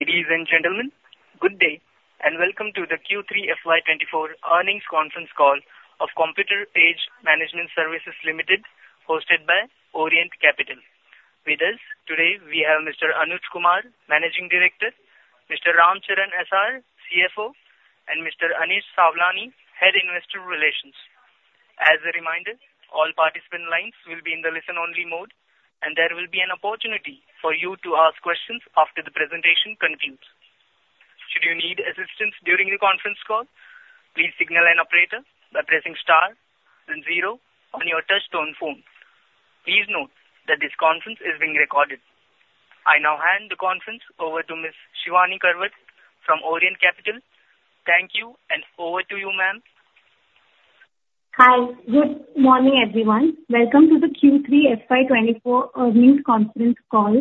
Ladies and gentlemen, good day, and welcome to the Q3 FY 2024 Earnings Conference Call of Computer Age Management Services Limited, hosted by Orient Capital. With us today, we have Mr. Anuj Kumar, Managing Director, Mr. Ram Charan S.R. CFO, and Mr. Anish Sawlani, Head Investor Relations. As a reminder, all participant lines will be in the listen-only mode, and there will be an opportunity for you to ask questions after the presentation concludes. Should you need assistance during the conference call, please signal an operator by pressing star then zero on your touchtone phone. Please note that this conference is being recorded. I now hand the conference over to Ms. Shivani Karwat from Orient Capital. Thank you, and over to you, ma'am. Hi. Good morning, everyone. Welcome to the Q3 FY 2024 earnings conference call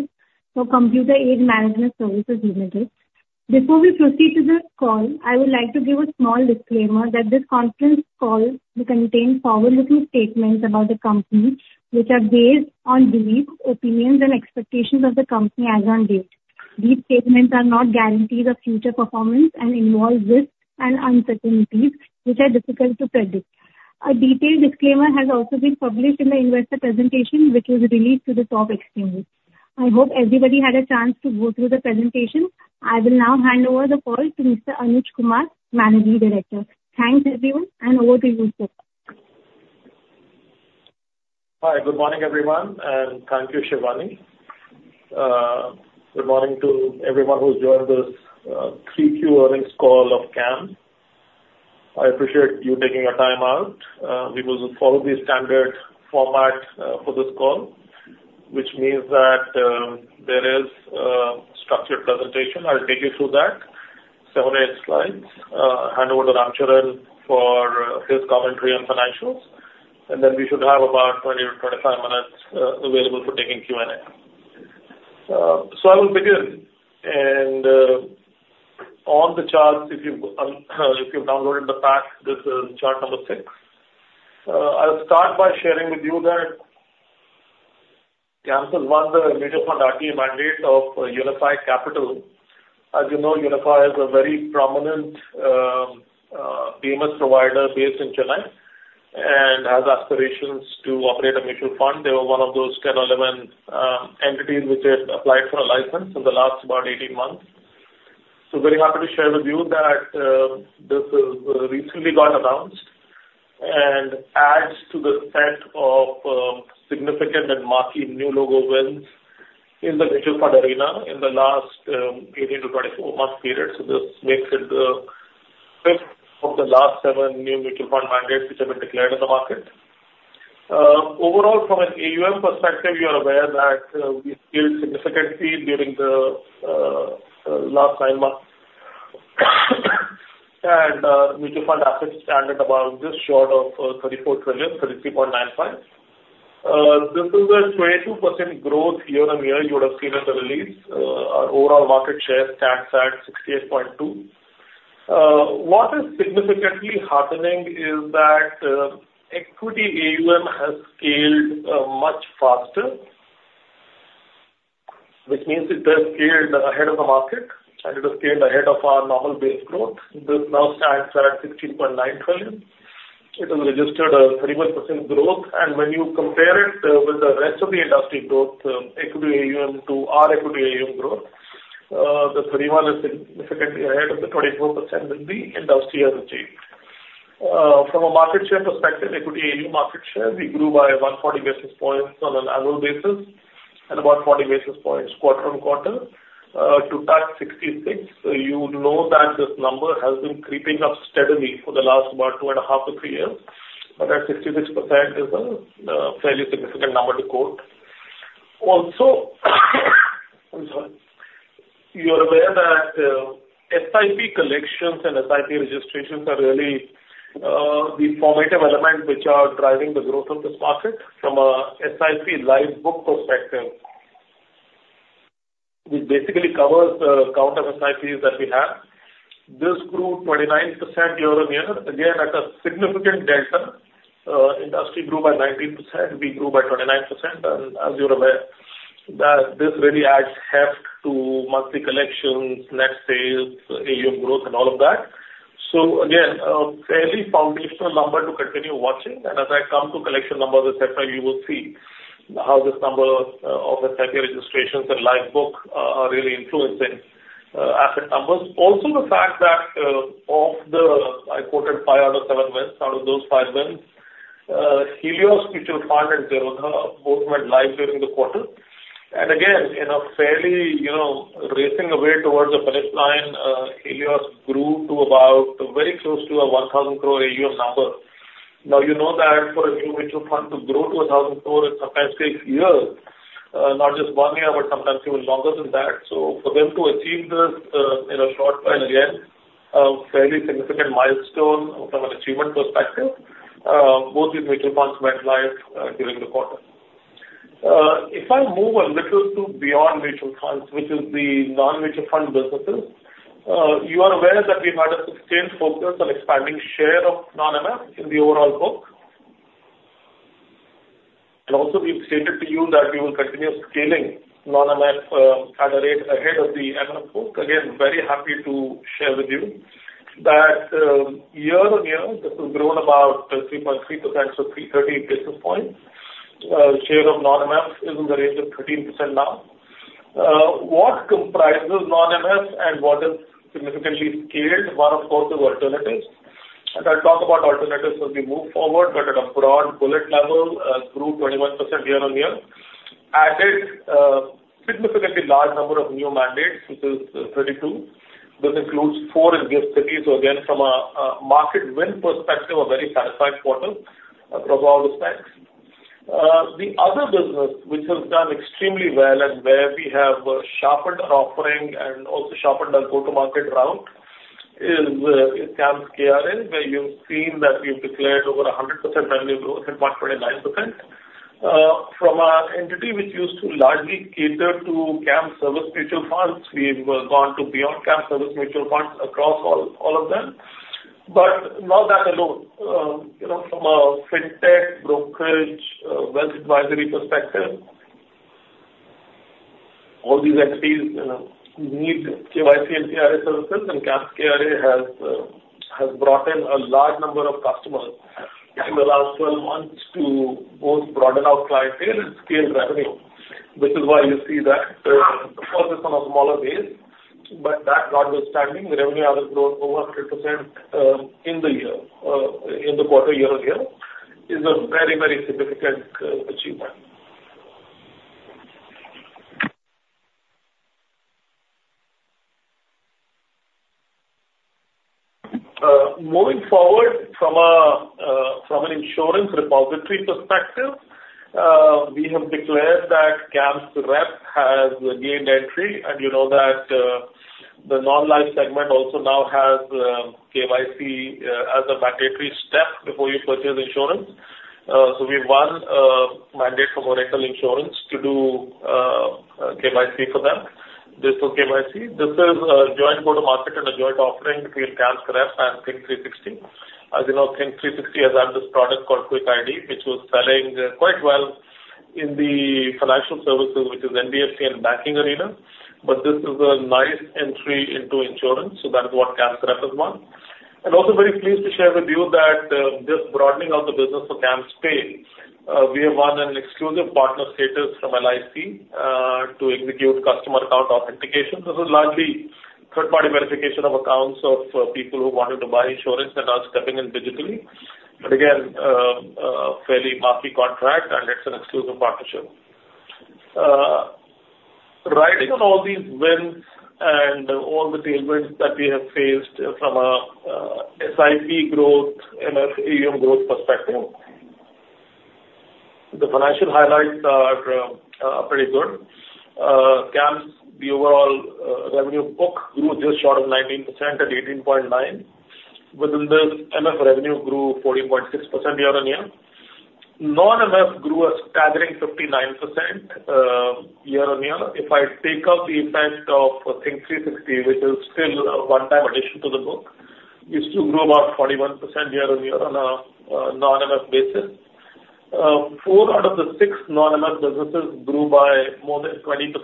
for Computer Age Management Services Limited. Before we proceed to this call, I would like to give a small disclaimer that this conference call will contain forward-looking statements about the company, which are based on beliefs, opinions, and expectations of the company as on date. These statements are not guarantees of future performance and involve risks and uncertainties, which are difficult to predict. A detailed disclaimer has also been published in the investor presentation, which was released to the stock exchanges. I hope everybody had a chance to go through the presentation. I will now hand over the call to Mr. Anuj Kumar, Managing Director. Thanks, everyone, and over to you, sir. Hi. Good morning, everyone, and thank you, Shivani. Good morning to everyone who's joined this 3Q earnings call of CAM. I appreciate you taking your time out. We will follow the standard format for this call, which means that there is a structured presentation. I'll take you through that, seven, eight slides, hand over to Ram Charan for his commentary on financials, and then we should have about 20-25 minutes available for taking Q&A. So I will begin, and on the charts, if you've downloaded the pack, this is chart number six. I'll start by sharing with you that CAM has won the mutual fund RTA mandate of Unifi Capital. As you know, Unifi is a very prominent PMS provider based in Chennai, and has aspirations to operate a mutual fund. They were one of those 10 or 11 entities which had applied for a license in the last about 18 months. So very happy to share with you that this has recently got announced and adds to the set of significant and marquee new logo wins in the mutual fund arena in the last 18-24 months period. So this makes it 5th of the last seven new mutual fund mandates which have been declared in the market. Overall, from an AUM perspective, you are aware that we've scaled significantly during the last 9 months. And mutual fund assets stand at about just short of 34 trillion, 33.95 trillion. This is a 22% growth year-on-year you would have seen in the release. Our overall market share stands at 68.2%. What is significantly happening is that equity AUM has scaled much faster, which means it has scaled ahead of the market, and it has scaled ahead of our normal base growth. This now stands at 60.9 trillion. It has registered a 31% growth, and when you compare it with the rest of the industry growth, equity AUM to our equity AUM growth, the 31 is significantly ahead of the 24% that the industry has achieved. From a market share perspective, equity AUM market share, we grew by 140 basis points on an annual basis and about 40 basis points quarter-on-quarter to touch 66%. So you know that this number has been creeping up steadily for the last about 2.5-3 years, but at 66% is a fairly significant number to quote. Also, I'm sorry. You are aware that SIP collections and SIP registrations are really the formative elements which are driving the growth of this market from a SIP live book perspective. Which basically covers the count of SIPs that we have. This grew 29% year-on-year, again, at a significant delta. Industry grew by 19%, we grew by 29%. And as you're aware, that this really adds heft to monthly collections, net sales, AUM growth, and all of that. So again, a fairly foundational number to continue watching. As I come to collection numbers et cetera, you will see how this number of SIP registrations and live book are really influencing asset numbers. Also, the fact that of the I quoted five out of seven wins, out of those five wins, Helios Mutual Fund and Zerodha both went live during the quarter. Again, in a fairly, you know, racing away towards the finish line, Helios grew to about very close to 1,000 crore AUM number. Now, you know that for a new mutual fund to grow to 1,000 crore, it sometimes takes years, not just 1 year, but sometimes even longer than that. For them to achieve this in a short time, again, a fairly significant milestone from an achievement perspective. Both these mutual funds went live during the quarter. If I move a little to beyond mutual funds, which is the non-mutual fund businesses, you are aware that we've had a sustained focus on expanding share of non-MF in the overall book, and also we've stated to you that we will continue scaling non-MF at a rate ahead of the MF book. Again, very happy to share with you that, year-on-year, this has grown about 3.3%, so 330 basis points. Share of non-MF is in the range of 13% now. What comprises non-MF and what is significantly scaled? One, of course, is alternatives, and I'll talk about alternatives as we move forward. But at a broad bullet level, grew 21% year-on-year, added significantly large number of new mandates, which is 32. This includes four in GIFT City. So again, from a market win perspective, a very satisfied quarter, from all respects. The other business which has done extremely well and where we have sharpened our offering and also sharpened our go-to-market route, is CAMS KRA, where you've seen that we've declared over 100% revenue growth at 129%. From our entity, which used to largely cater to CAMS service mutual funds, we have gone to beyond CAMS service mutual funds across all of them. But not that alone, you know, from a Fintech, brokerage, wealth advisory perspective, all these entities, you know, need KYC and KRA services, and CAMS KRA has brought in a large number of customers in the last 12 months to both broaden our clientele and scale revenue. Which is why you see that, of course, it's on a smaller base, but that notwithstanding, the revenue has grown over 100%, in the year, in the quarter year-on-year, is a very, very significant achievement. Moving forward from an insurance repository perspective, we have declared that CAMSRep has gained entry, and you know that, the non-life segment also now has, KYC, as a mandatory step before you purchase insurance. So we won mandate from Oriental Insurance to do KYC for them. This for KYC. This is a joint go-to-market and a joint offering between CAMSRep and Think360. As you know, Think360 has had this product called KwikID, which was selling quite well in the financial services, which is NBFC and banking arena. But this is a nice entry into insurance, so that is what CAMSRep has won. And also very pleased to share with you that, this broadening of the business for CAMSPay, we have won an exclusive partner status from LIC, to execute customer account authentication. This is largely third-party verification of accounts of, people who wanted to buy insurance and are stepping in digitally. But again, a fairly healthy contract and it's an exclusive partnership. Riding on all these wins and all the tailwinds that we have faced from a, SIP growth, MF AUM growth perspective, the financial highlights are pretty good. CAMS, the overall revenue book grew just short of 19% at 18.9%. Within this, MF revenue grew 14.6% year-on-year. Non-MF grew a staggering 59% year-on-year. If I take out the effect of Think360, which is still a one-time addition to the book, we still grew about 41% year-on-year on a non-MF basis. Four out of the six non-MF businesses grew by more than 20%,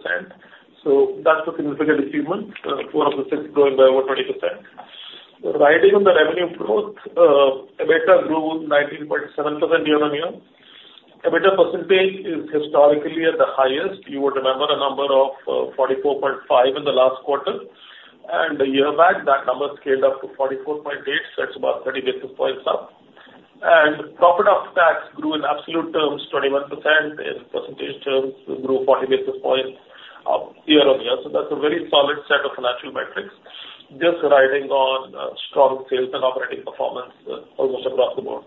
so that's a significant achievement, four out of the six growing by over 20%. Riding on the revenue growth, EBITDA grew 19.7% year-on-year. EBITDA percentage is historically at the highest. You would remember a number of 44.5% in the last quarter, and a year back, that number scaled up to 44.8%, so that's about 30 basis points up. And profit after tax grew in absolute terms, 21%. In percentage terms, we grew 40 basis points year-on-year. So that's a very solid set of financial metrics, just riding on strong sales and operating performance almost across the board.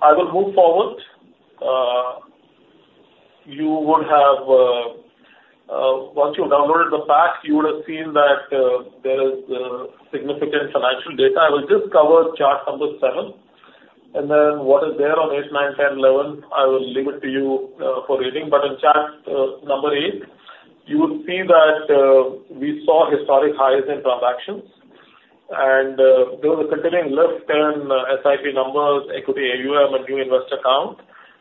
I will move forward. You would have, once you downloaded the facts, you would have seen that there is significant financial data. I will just cover chart number seven, and then what is there on eight, nine, 10, 11, I will leave it to you for reading. But in chart number eight, you would see that we saw historic highs in transactions, and there was a continuing lift in SIP numbers, equity AUM, and new investor account,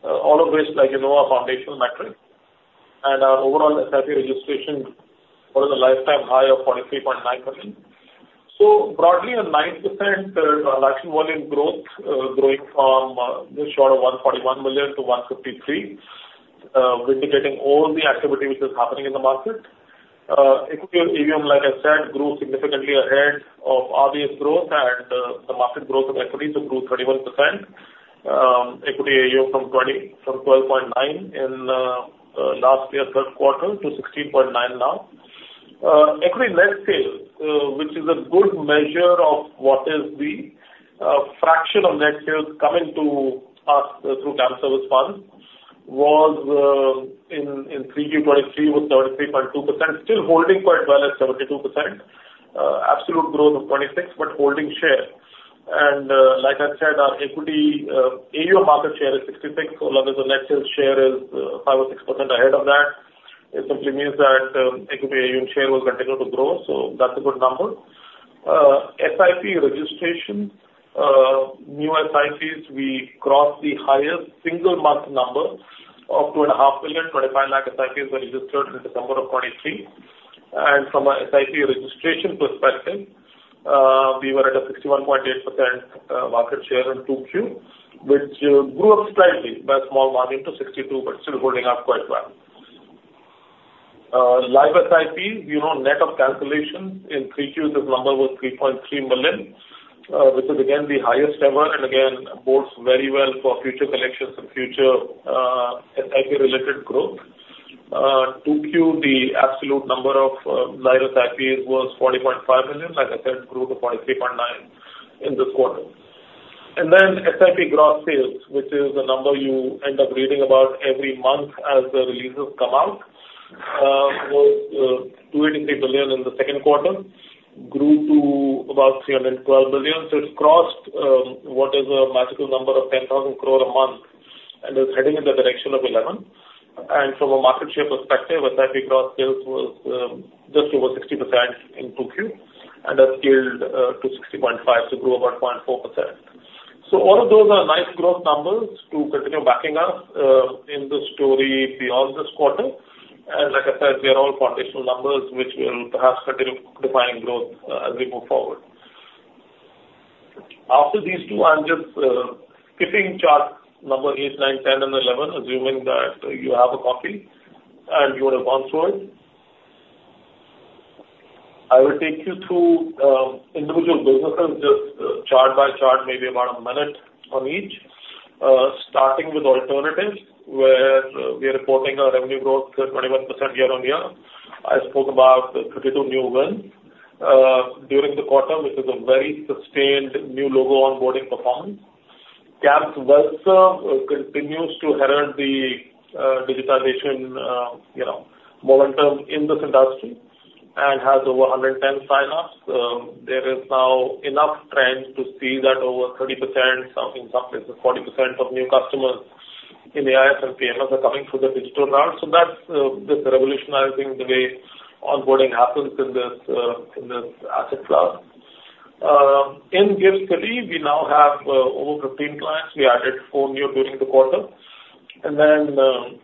all of which, like you know, are foundational metrics. And our overall SIP registration was a lifetime high of 43.9%. So broadly, a 9% transaction volume growth, growing from just short of 141 million to 153 million, vindicating all the activity which is happening in the market. Equity AUM, like I said, grew significantly ahead of RBS growth and the market growth of equity too grew 31%. Equity AUM from 12.9% in last year, third quarter, to 16.9% now. Equity net sales, which is a good measure of what is the fraction of net sales coming to us through CAMS service funds, was in 3Q 2023 73.2%, still holding quite well at 72%. Absolute growth of 26%, but holding share. Like I said, our equity AUM market share is 66%, so long as the net sales share is 5% or 6% ahead of that. It simply means that equity AUM share will continue to grow, so that's a good number. SIP registration, new SIPs, we crossed the highest single month number of 2.5 million, 25 lakh SIPs were registered in December of 2023. And from a SIP registration perspective, we were at a 61.8% market share in 2Q, which grew up slightly by a small margin to 62%, but still holding up quite well. Live SIP, you know, net of cancellation in 3Qs, this number was 3.3 million, which is again, the highest ever, and again, bodes very well for future collections and future SIP-related growth. 2Q, the absolute number of live SIP was 40.5 million, like I said, grew to 43.9% in this quarter. And then SIP gross sales, which is the number you end up reading about every month as the releases come out, was 283 billion in the second quarter, grew to about 312 billion. So it's crossed what is a magical number of 10,000 crore a month, and is heading in the direction of 11,000 crore. And from a market share perspective, SIP gross sales was just over 60% in 2Q, and that scaled to 60.5%, so grew about 0.4%. So all of those are nice growth numbers to continue backing us in the story beyond this quarter. And like I said, they are all foundational numbers, which will perhaps continue defining growth as we move forward. After these two, I'm just skipping chart number eight, nine, 10, and 11, assuming that you have a copy and you want to bounce through it. I will take you through individual businesses, just chart by chart, maybe about a minute on each. Starting with alternatives, where we are reporting a revenue growth of 21% year-on-year. I spoke about the 32 new wins during the quarter, which is a very sustained new logo onboarding performance. CAMS WealthServ continues to herald the digitization you know momentum in this industry and has over 110 signups. There is now enough trends to see that over 30%, some, in some cases, 40% of new customers in AIFs and PMS are coming through the digital route. So that's just revolutionizing the way onboarding happens in this, in this asset class. In GIFT City, we now have over 15 clients. We added 4 new during the quarter. And then,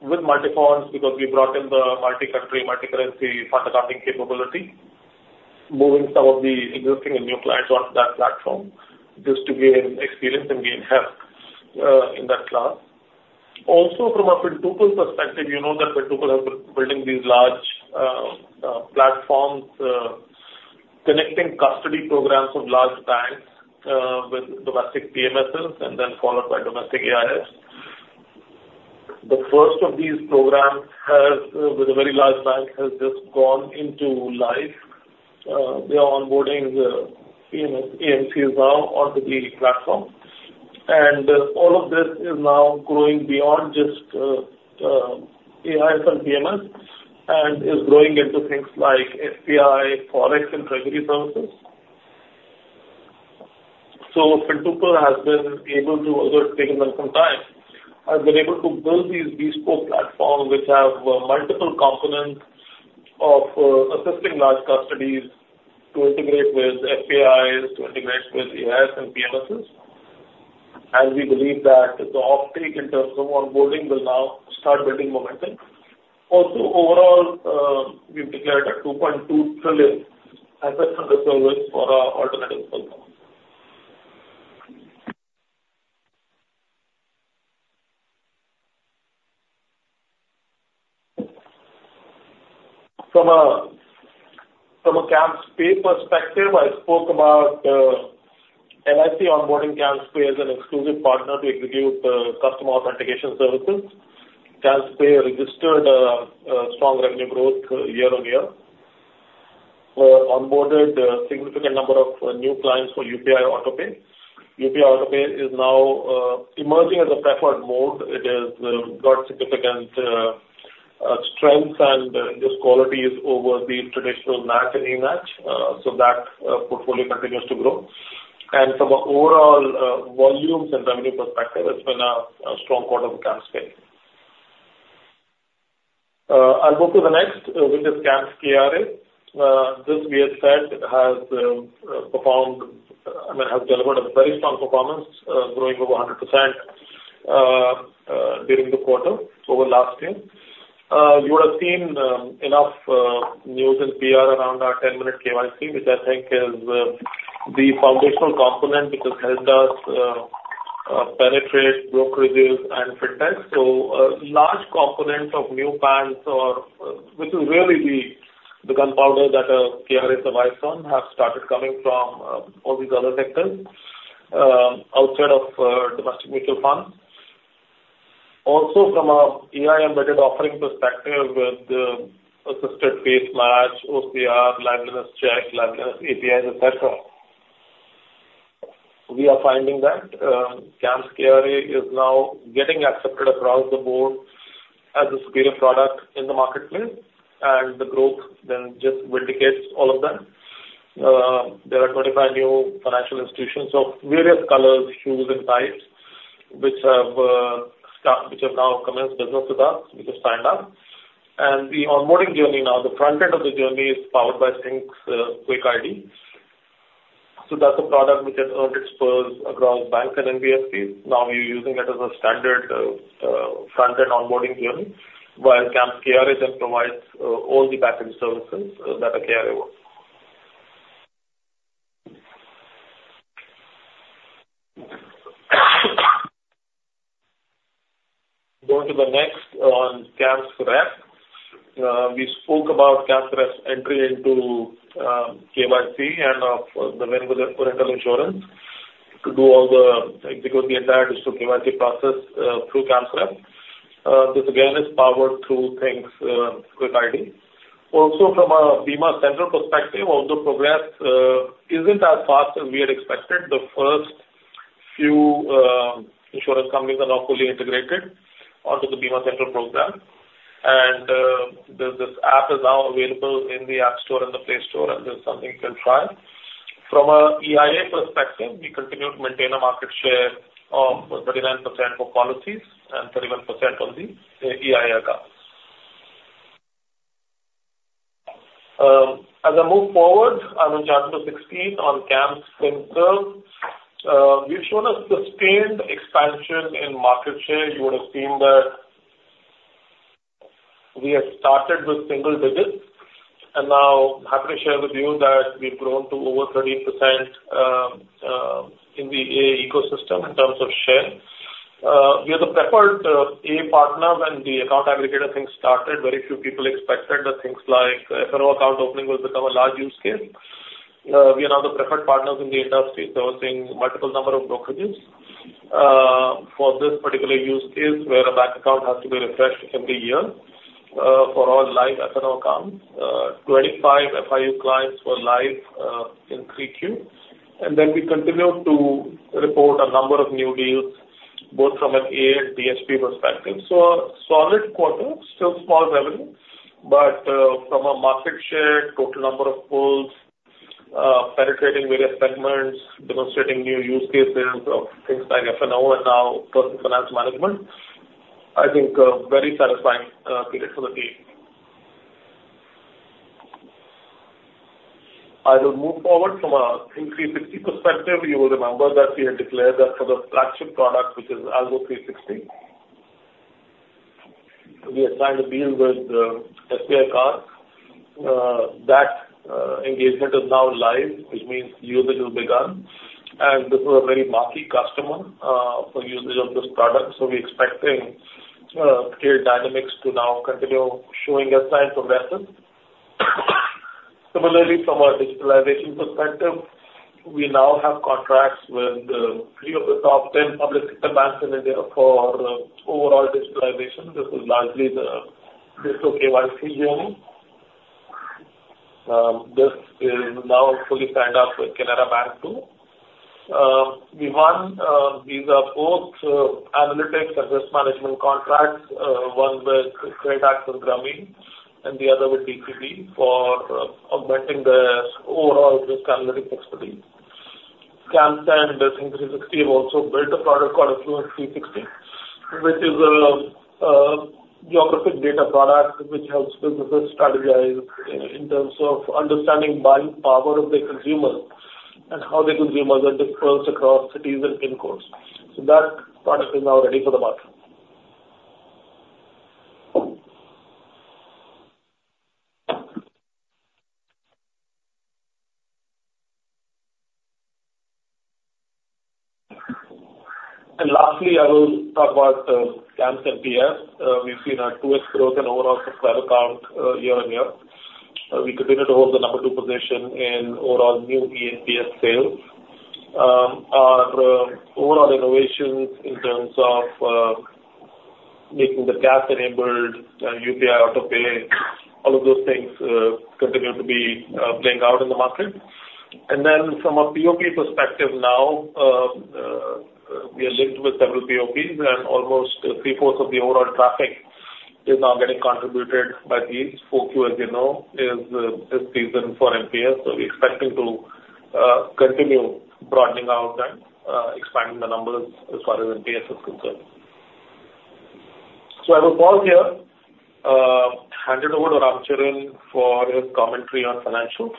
with Multifonds, because we brought in the multi-country, multi-currency fund accounting capability, moving some of the existing and new clients onto that platform, just to gain experience and gain help, in that class. Also, from a Fintuple perspective, you know that Fintuple has been building these large, platforms, connecting custody programs of large banks, with domestic PMSs and then followed by domestic AIFs. The first of these programs has with a very large bank, has just gone into live. They are onboarding the PMS, AMC is now on to the platform. And all of this is now growing beyond just AIF and PMS, and is growing into things like FPI, forex, and treasury services. So Fintuple has been able to, although it's taken them some time, has been able to build these bespoke platforms which have multiple components of assisting large custodies to integrate with FPIs, to integrate with AIFs and PMSs. And we believe that the off-take in terms of onboarding will now start building momentum. Also, overall, we've declared 2.2 trillion assets under service for our alternative platform. From a CAMSPay perspective, I spoke about LIC onboarding CAMSPay as an exclusive partner to execute customer authentication services. CAMSPay registered a strong revenue growth year-on-year. Onboarded a significant number of new clients for UPI Autopay. UPI Autopay is now emerging as a preferred mode. It has got significant strengths and risk qualities over the traditional NACH and eNACH. So that portfolio continues to grow. And from an overall volumes and revenue perspective, it's been a strong quarter for CAMSPay. I'll go to the next, which is CAMS KRA. This we have said has performed, I mean, has delivered a very strong performance, growing over 100% during the quarter over last year. You would have seen enough news and PR around our 10-minute KYC, which I think is the foundational component which has helped us penetrate brokerages and fintech. So a large component of new banks or, which is really the gunpowder that KRA survives on, have started coming from all these other sectors outside of domestic mutual funds. Also, from a AI-embedded offering perspective, with assisted face match, OCR, liveness check, liveness APIs, et cetera, we are finding that CAMS KRA is now getting accepted across the board as a superior product in the marketplace, and the growth then just vindicates all of that. There are 25 new financial institutions of various colors, hues, and sizes, which have now commenced business with us, which is signed up. The onboarding journey now, the front end of the journey is powered by Think's KwikID. So that's a product which has earned its spurs across banks and NBFCs. Now we're using it as a standard front-end onboarding journey, while CAMS KRA then provides all the backend services that a KRA wants. Going to the next on CAMSRep. We spoke about CAMSRep's entry into KYC and of the vehicle rental insurance to do all the, like, execute the entire digital KYC process through CAMSRep. This again is powered through Think's KwikID. Also from a Bima Central perspective, although progress isn't as fast as we had expected, the first few insurance companies are now fully integrated onto the Bima Central program. This, this app is now available in the App Store and the Play Store, and this is something you can try. From a EIA perspective, we continue to maintain a market share of 39% for policies and 31% on the, EIA accounts. As I move forward, I will jump to 16 on CAMSfinserv. We've shown a sustained expansion in market share. You would have seen that we had started with single digits, and now happy to share with you that we've grown to over 13%, in the AA ecosystem in terms of share. We are the preferred, AA partners. When the account aggregator thing started, very few people expected that things like F&O account opening would become a large use case. We are now the preferred partners in the industry, servicing multiple number of brokerages, for this particular use case, where a bank account has to be refreshed every year, for all live F&O accounts. Twenty-five FIU clients were live, in Q3. And then we continue to report a number of new deals, both from an AA, TSP perspective. So a solid quarter, still small revenue. But, from a market share, total number of pools, penetrating various segments, demonstrating new use cases of things like FNO and now personal finance management, I think a very satisfying, period for the team. I will move forward from a Think360 perspective. You will remember that we had declared that for the flagship product, which is Algo360, we had signed a deal with, SBI Card. That engagement is now live, which means usage has begun, and this is a very marquee customer for usage of this product. So we're expecting clear dynamics to now continue showing a sign of progress. Similarly, from a digitalization perspective, we now have contracts with three of the top 10 public sector banks in India for overall digitalization. This is largely the digital KYC journey. This is now fully signed up with Canara Bank, too. We won; these are both analytics and risk management contracts, one with CreditAccess Grameen, and the other with DCB for augmenting their overall risk analytic expertise. CAMS and Think360 have also built a product called Influence360, which is a geographic data product, which helps businesses strategize in terms of understanding buying power of the consumer and how the consumer differs across cities and PIN codes. So that product is now ready for the market. And lastly, I will talk about CAMS NPS. We've seen a 2x growth in overall subscriber count year-on-year. We continue to hold the number two position in overall new ENPS sales. Our overall innovations in terms of making the CAMS enabled UPI Autopay, all of those things, continue to be playing out in the market. And then from a POP perspective now, we are linked with several POPs, and almost 3/4 of the overall traffic is now getting contributed by these. Q4, as you know, is season for NPS, so we're expecting to continue broadening out and expanding the numbers as far as NPS is concerned. So I will pause here, hand it over to Ram Charan for his commentary on financials,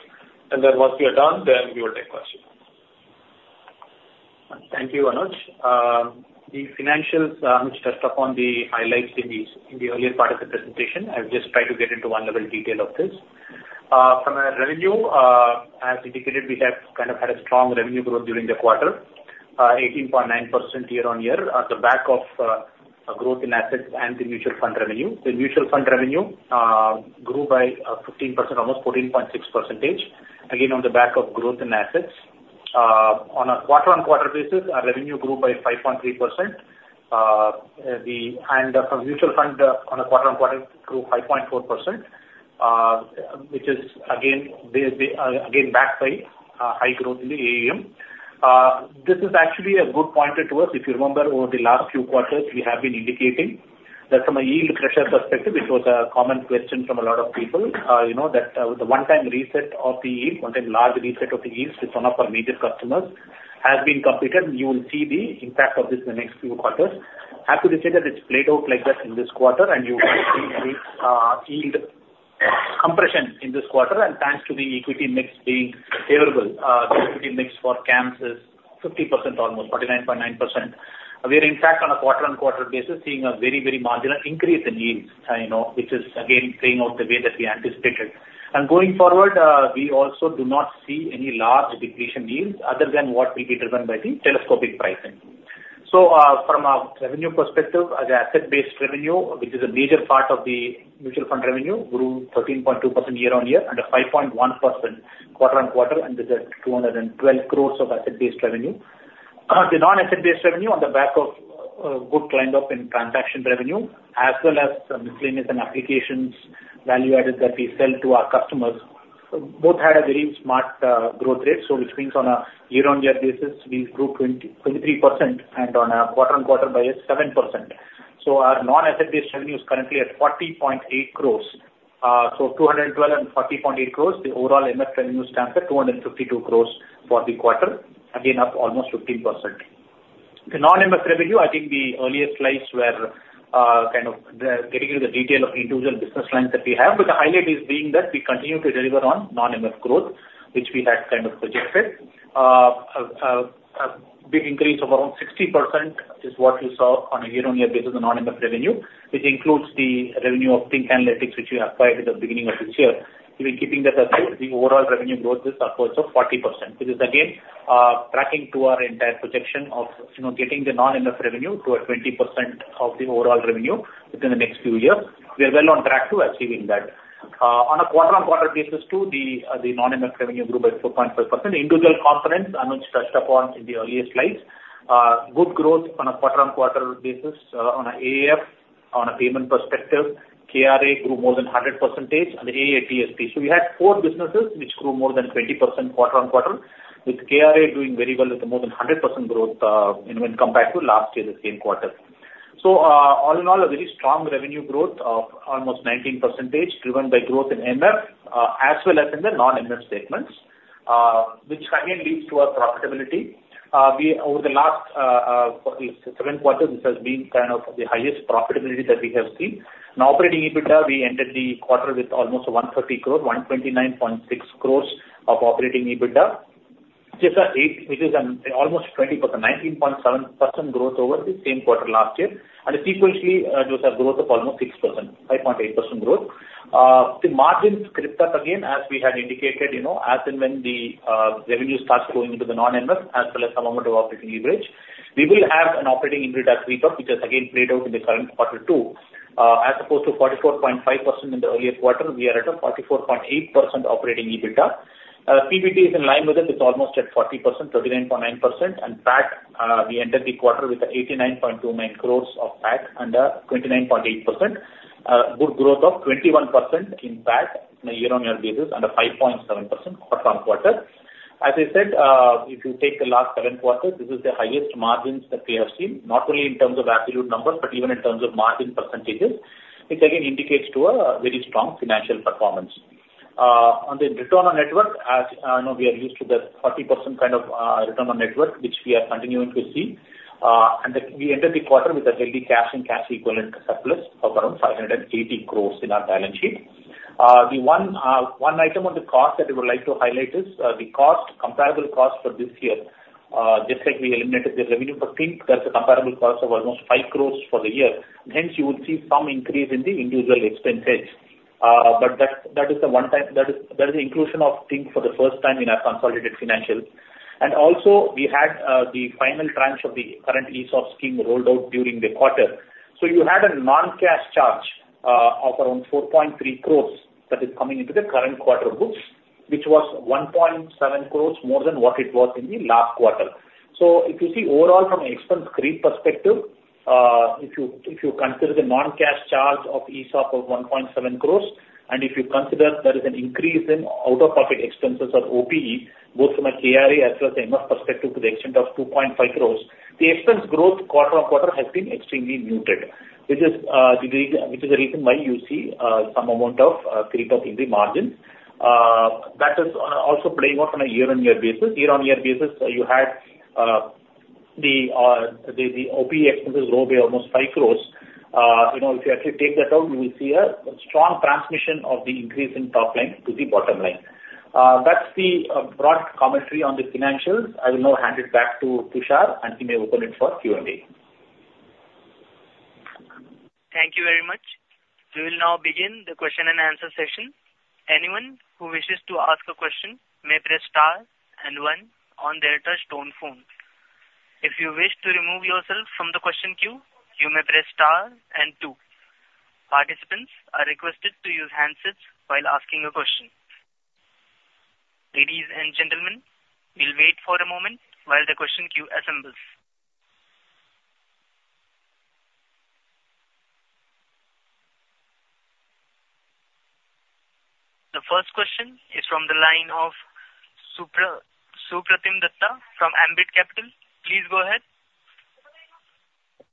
and then once we are done, then we will take questions. Thank you, Anuj. The financials, which touched upon the highlights in these, in the earlier part of the presentation, I'll just try to get into one level detail of this. From a revenue, as indicated, we have kind of had a strong revenue growth during the quarter, 18.9% year-on-year, on the back of a growth in assets and the mutual fund revenue. The mutual fund revenue grew by 15%, almost 14.6%, again, on the back of growth in assets. On a quarter-on-quarter basis, our revenue grew by 5.3%. And from mutual fund, on a quarter-on-quarter, grew 5.4%, which is again backed by high growth in the AUM. This is actually a good point to us. If you remember, over the last few quarters, we have been indicating that from a yield pressure perspective, it was a common question from a lot of people, you know, that, the one-time reset of the yield, one-time large reset of the yields with one of our major customers has been completed, and you will see the impact of this in the next few quarters. Happy to say that it's played out like that in this quarter, and you will see the, yield compression in this quarter. And thanks to the equity mix being favorable, the equity mix for CAMS is 50% almost, 49.9%. We are, in fact, on a quarter-on-quarter basis, seeing a very, very marginal increase in yields, you know, which is again, playing out the way that we anticipated. Going forward, we also do not see any large depletion yields other than what will be driven by the telescopic pricing. So, from a revenue perspective, the asset-based revenue, which is a major part of the mutual fund revenue, grew 13.2% year-on-year and 5.1% quarter-on-quarter, and this is 212 crore of asset-based revenue. The non-asset-based revenue on the back of good lined up in transaction revenue, as well as some miscellaneous and applications value added that we sell to our customers, both had a very smart growth rate. So which means on a year-on-year basis, we grew 23% and on a quarter-on-quarter by 7%. So our non-asset-based revenue is currently at 40.8 crore. So, 212 crore and 40.8 crore, the overall MF revenue stands at 252 crore for the quarter, again, up almost 15%. The non-MF revenue, I think the earlier slides were, kind of, getting into the detail of individual business lines that we have. But the highlight is being that we continue to deliver on non-MF growth, which we had kind of projected. A big increase of around 60% is what you saw on a year-on-year basis of non-MF revenue, which includes the revenue of Think Analytics, which we acquired at the beginning of this year. Even keeping that aside, the overall revenue growth is of course 40%, which is again tracking to our entire projection of, you know, getting the non-MF revenue to a 20% of the overall revenue within the next few years. We are well on track to achieving that. On a quarter-on-quarter basis too, the non-MF revenue grew by 4.5%. Individual components, Anuj touched upon in the earlier slides. Good growth on a quarter-on-quarter basis, on a AIF, on a payment perspective, KRA grew more than 100% and the AA, TSP. So we had four businesses which grew more than 20% quarter-on-quarter, with KRA doing very well with more than 100% growth, when compared to last year, the same quarter. So, all in all, a very strong revenue growth of almost 19%, driven by growth in MF, as well as in the non-MF segments, which again, leads to our profitability. We, over the last seven quarters, this has been kind of the highest profitability that we have seen. In operating EBITDA, we entered the quarter with almost 130 crore, 129.6 crore of operating EBITDA, which is almost 20%, 19.7% growth over the same quarter last year. And sequentially, just a growth of almost 6%, 5.8% growth. The margins creep up again, as we had indicated, you know, as and when the revenue starts flowing into the non-MF as well as some amount of operating leverage. We will have an operating EBITDA creep up, which has again played out in the current quarter too. As opposed to 44.5% in the earlier quarter, we are at a 44.8% operating EBITDA. PBT is in line with it. It's almost at 40%, 39.9%. And PAT, we entered the quarter with 89.29 crore of PAT under 29.8%. Good growth of 21% in PAT on a year-on-year basis, and a 5.7% quarter-on-quarter. As I said, if you take the last seven quarters, this is the highest margins that we have seen, not only in terms of absolute numbers, but even in terms of margin percentages, which again indicates to a very strong financial performance. As you know, we are used to the 40% kind of return on network, which we are continuing to see. And we entered the quarter with a healthy cash and cash equivalent surplus of around 580 crore in our balance sheet. The one item on the cost that I would like to highlight is the cost, comparable cost for this year. Just like we eliminated the revenue for Think, there's a comparable cost of almost 5 crore for the year. Hence, you would see some increase in the individual expenses. But that, that is a one time. That is, that is the inclusion of Think for the first time in our consolidated financials. Also, we had the final tranche of the current ESOP scheme rolled out during the quarter. So you had a non-cash charge of around 4.3 crore that is coming into the current quarter books, which was 1.7 crore more than what it was in the last quarter. So if you see overall from an expense creep perspective, if you, if you consider the non-cash charge of ESOP of 1.7 crore, and if you consider there is an increase in out-of-pocket expenses or OPE, both from a KRA as well as MF perspective, to the extent of 2.5 crore, the expense growth quarter-on-quarter has been extremely muted, which is, which is the reason why you see some amount of creep up in the margin. That is also playing out on a year-on-year basis. Year-over-year basis, you had the OPE expenses grow by almost 5 crore. You know, if you actually take that out, you will see a strong transmission of the increase in top line to the bottom line. That's the broad commentary on the financials. I will now hand it back to Tushar, and he may open it for Q&A. Thank you very much. We will now begin the question-and-answer session. Anyone who wishes to ask a question may press star and one on their touchtone phone. If you wish to remove yourself from the question queue, you may press star and two. Participants are requested to use handsets while asking a question. Ladies and gentlemen, we'll wait for a moment while the question queue assembles. The first question is from the line of Supratim Datta from Ambit Capital. Please go ahead.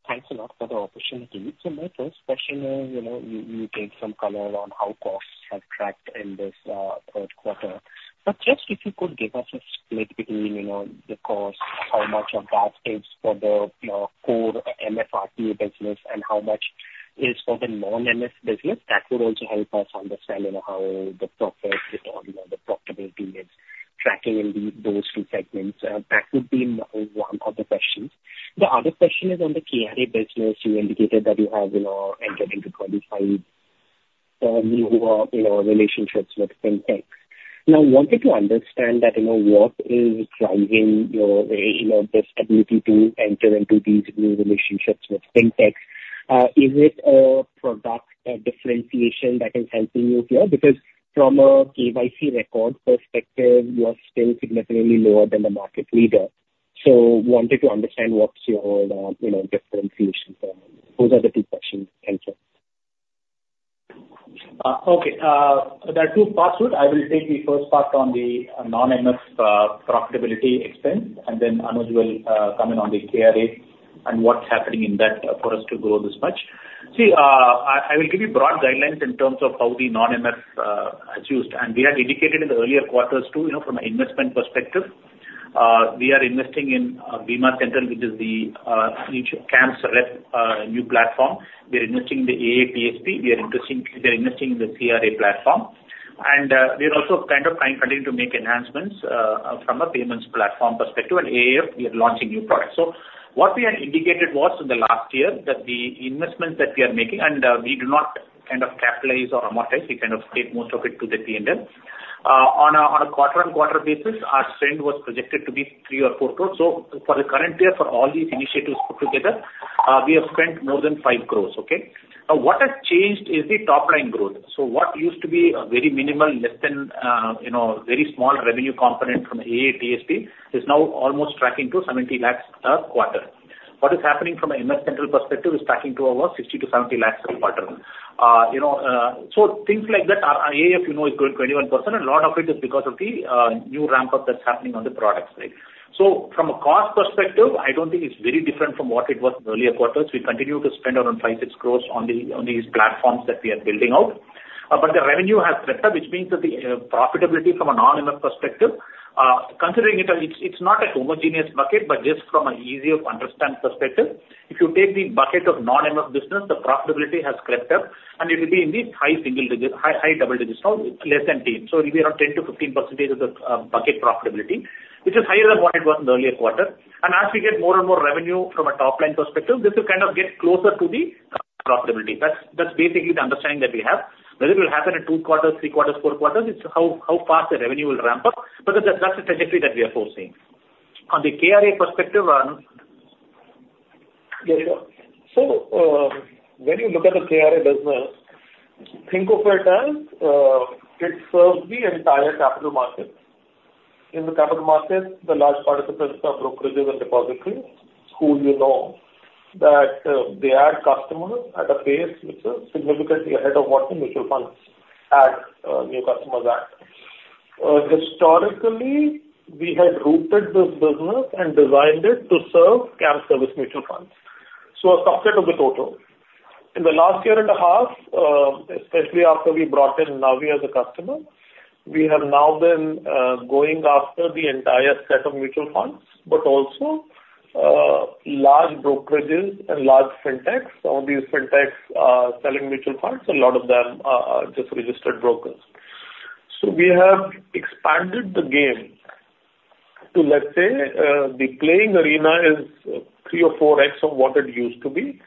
Thanks a lot for the opportunity. So my first question is, you know, you gave some color on how costs have tracked in this third quarter. But just if you could give us a split between, you know, the cost, how much of that is for the core MF RTA business, and how much is for the non-MF business, that would also help us understand, you know, how the profit or, you know, the profitability is tracking in those two segments. That would be my one of the questions. The other question is on the KRA business. You indicated that you have, you know, entered into 25 new relationships with Fintech. Now, I wanted to understand that, you know, what is driving your, you know, this ability to enter into these new relationships with Fintech? Is it a product differentiation that is helping you here? Because from a KYC record perspective, you are still significantly lower than the market leader. So wanted to understand what's your, you know, differentiation point. Those are the two questions. Thank you. Okay. There are two parts to it. I will take the first part on the non-MF profitability expense, and then Anuj will come in on the KRA and what's happening in that for us to grow this much. See, I will give you broad guidelines in terms of how the non-MF is used. And we had indicated in the earlier quarters, too, you know, from an investment perspective, we are investing in Bima Central, which is the CAMSRep new platform. We are investing in the AA, TSP. We are investing in the CRA platform. And we are also kind of trying- continuing to make enhancements from a payments platform perspective, and AIF, we are launching new products. So what we had indicated was in the last year, that the investments that we are making, and, we do not kind of capitalize or amortize, we kind of take most of it to the P&L. On a, on a quarter-on-quarter basis, our spend was projected to be 3 crore or 4 crore. So for the current year, for all these initiatives put together, we have spent more than 5 crore, okay? Now, what has changed is the top line growth. So what used to be a very minimal, less than, you know, very small revenue component from AA, TSP, is now almost tracking to 70 lakh per quarter. What is happening from an MF Central perspective is tracking to over 60 lakh-70 lakh per quarter. You know, so things like that, our AIF, you know, is growing 21%, a lot of it is because of the new ramp-up that's happening on the products, right? So from a cost perspective, I don't think it's very different from what it was in earlier quarters. We continue to spend around 5 crore-6 crore on these platforms that we are building out. But the revenue has crept up, which means that the profitability from a non-MF perspective, considering it, it's, it's not a homogeneous bucket, but just from an easy to understand perspective, if you take the bucket of non-MF business, the profitability has crept up, and it will be in the high single digit - high double digits, or less than 10. So it'll be around 10%-15% of the bucket profitability, which is higher than what it was in the earlier quarter. And as we get more and more revenue from a top-line perspective, this will kind of get closer to the profitability. That's, that's basically the understanding that we have. Whether it will happen in two quarters, three quarters, four quarters, it's how, how fast the revenue will ramp up, but that's, that's the trajectory that we are foreseeing. On the KRA perspective, Anuj? Yes, sure. So, when you look at the KRA business, think of it as, it serves the entire capital market. In the capital market, the large participants are brokerages and depositories, who you know, that, they add customers at a pace which is significantly ahead of what the mutual funds add, new customers at. Historically, we had rooted this business and designed it to serve CAMS service mutual funds, so a subset of the total. In the last year and a half, especially after we brought in Navi as a customer, we have now been, going after the entire set of mutual funds, but also, large brokerages and large Fintechs. Some of these Fintechs are selling mutual funds, a lot of them are, are just registered brokers. So we have expanded the game to, let's say, the playing arena is 3x or 4x of what it used to be.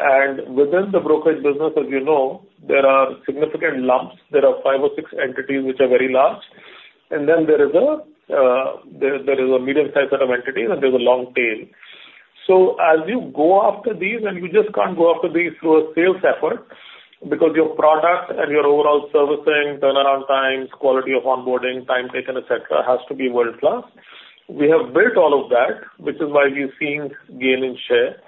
And within the brokerage business, as you know, there are significant lumps. There are 5 or 6 entities which are very large, and then there is a there, there is a medium-sized set of entities, and there's a long tail. So as you go after these, and you just can't go after these through a sales effort, because your product and your overall servicing, turnaround times, quality of onboarding, time taken, et cetera, has to be world-class. We have built all of that, which is why we've seen gain in share.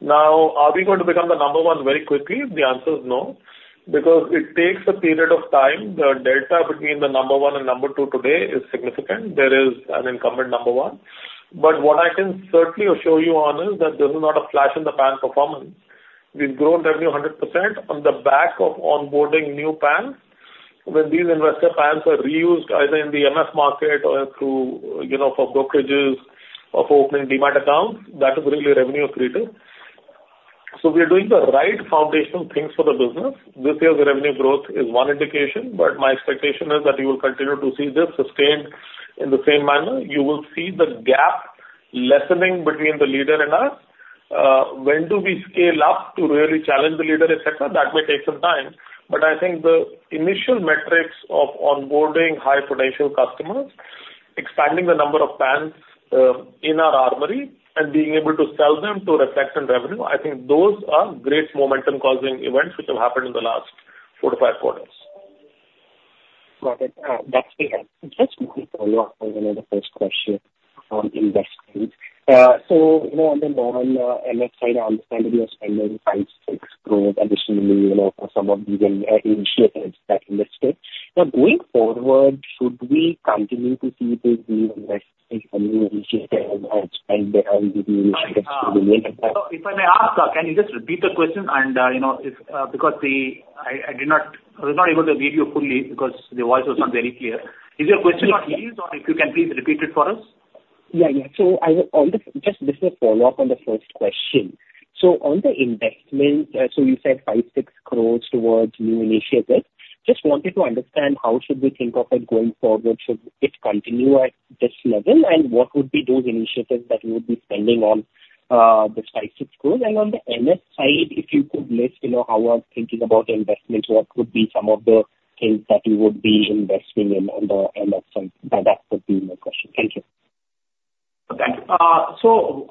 Now, are we going to become the number one very quickly? The answer is no, because it takes a period of time. The delta between the number one and number two today is significant. There is an incumbent number one. But what I can certainly assure you on is that this is not a flash in the pan performance. We've grown revenue 100% on the back of onboarding new PAN. When these investor PANs are reused, either in the MF market or through, you know, for brokerages or for opening demat accounts, that is really revenue accretive. So we are doing the right foundational things for the business. This year's revenue growth is one indication, but my expectation is that you will continue to see this sustained in the same manner. You will see the gap lessening between the leader and us. When do we scale up to really challenge the leader, et cetera? That may take some time, but I think the initial metrics of onboarding high-potential customers, expanding the number of PANs in our armory, and being able to sell them to reflect in revenue, I think those are great momentum-causing events which have happened in the last four to five quarters. Got it. That's clear. Just quickly follow up on another first question on investing. So, you know, on the non-MF side, I understand that you are spending 5 crore-6 crore additionally, you know, for some of these initiatives that you listed. Now, going forward, should we continue to see these new investments, new initiatives and spend around the new initiatives for the year? If I may ask, can you just repeat the question and, you know, because I was not able to hear you fully because the voice was not very clear. Is your question on mute, or if you can please repeat it for us? Yeah, yeah. So I will—on the, just this is a follow-up on the first question. So on the investment, so you said 5 crore-6 crore towards new initiatives. Just wanted to understand, how should we think of it going forward? Should it continue at this level? And what would be those initiatives that you would be spending on, the INR 5 crore-INR 6 crore? And on the MF side, if you could list, you know, how we are thinking about investments, what would be some of the things that you would be investing in on the MF side? That, that would be my question. Thank you. Thank you. So,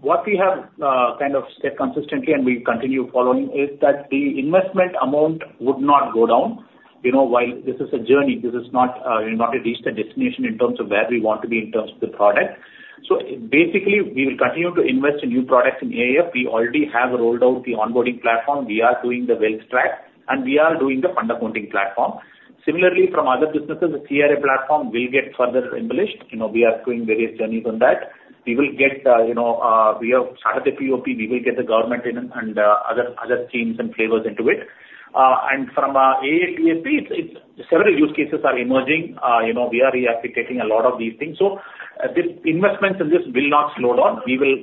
what we have, kind of said consistently and we continue following, is that the investment amount would not go down. You know, while this is a journey, this is not, we've not reached the destination in terms of where we want to be in terms of the product. So basically, we will continue to invest in new products. In AIF, we already have rolled out the onboarding platform, we are doing the wealth track, and we are doing the fund accounting platform. Similarly, from other businesses, the CRA platform will get further embellished. You know, we are doing various journeys on that. We will get, you know, we have started the POP, we will get the government in and, other, other schemes and flavors into it. And from, AA, TSP, it's, it's several use cases are emerging. You know, we are reallocating a lot of these things. So, the investments in this will not slow down. We will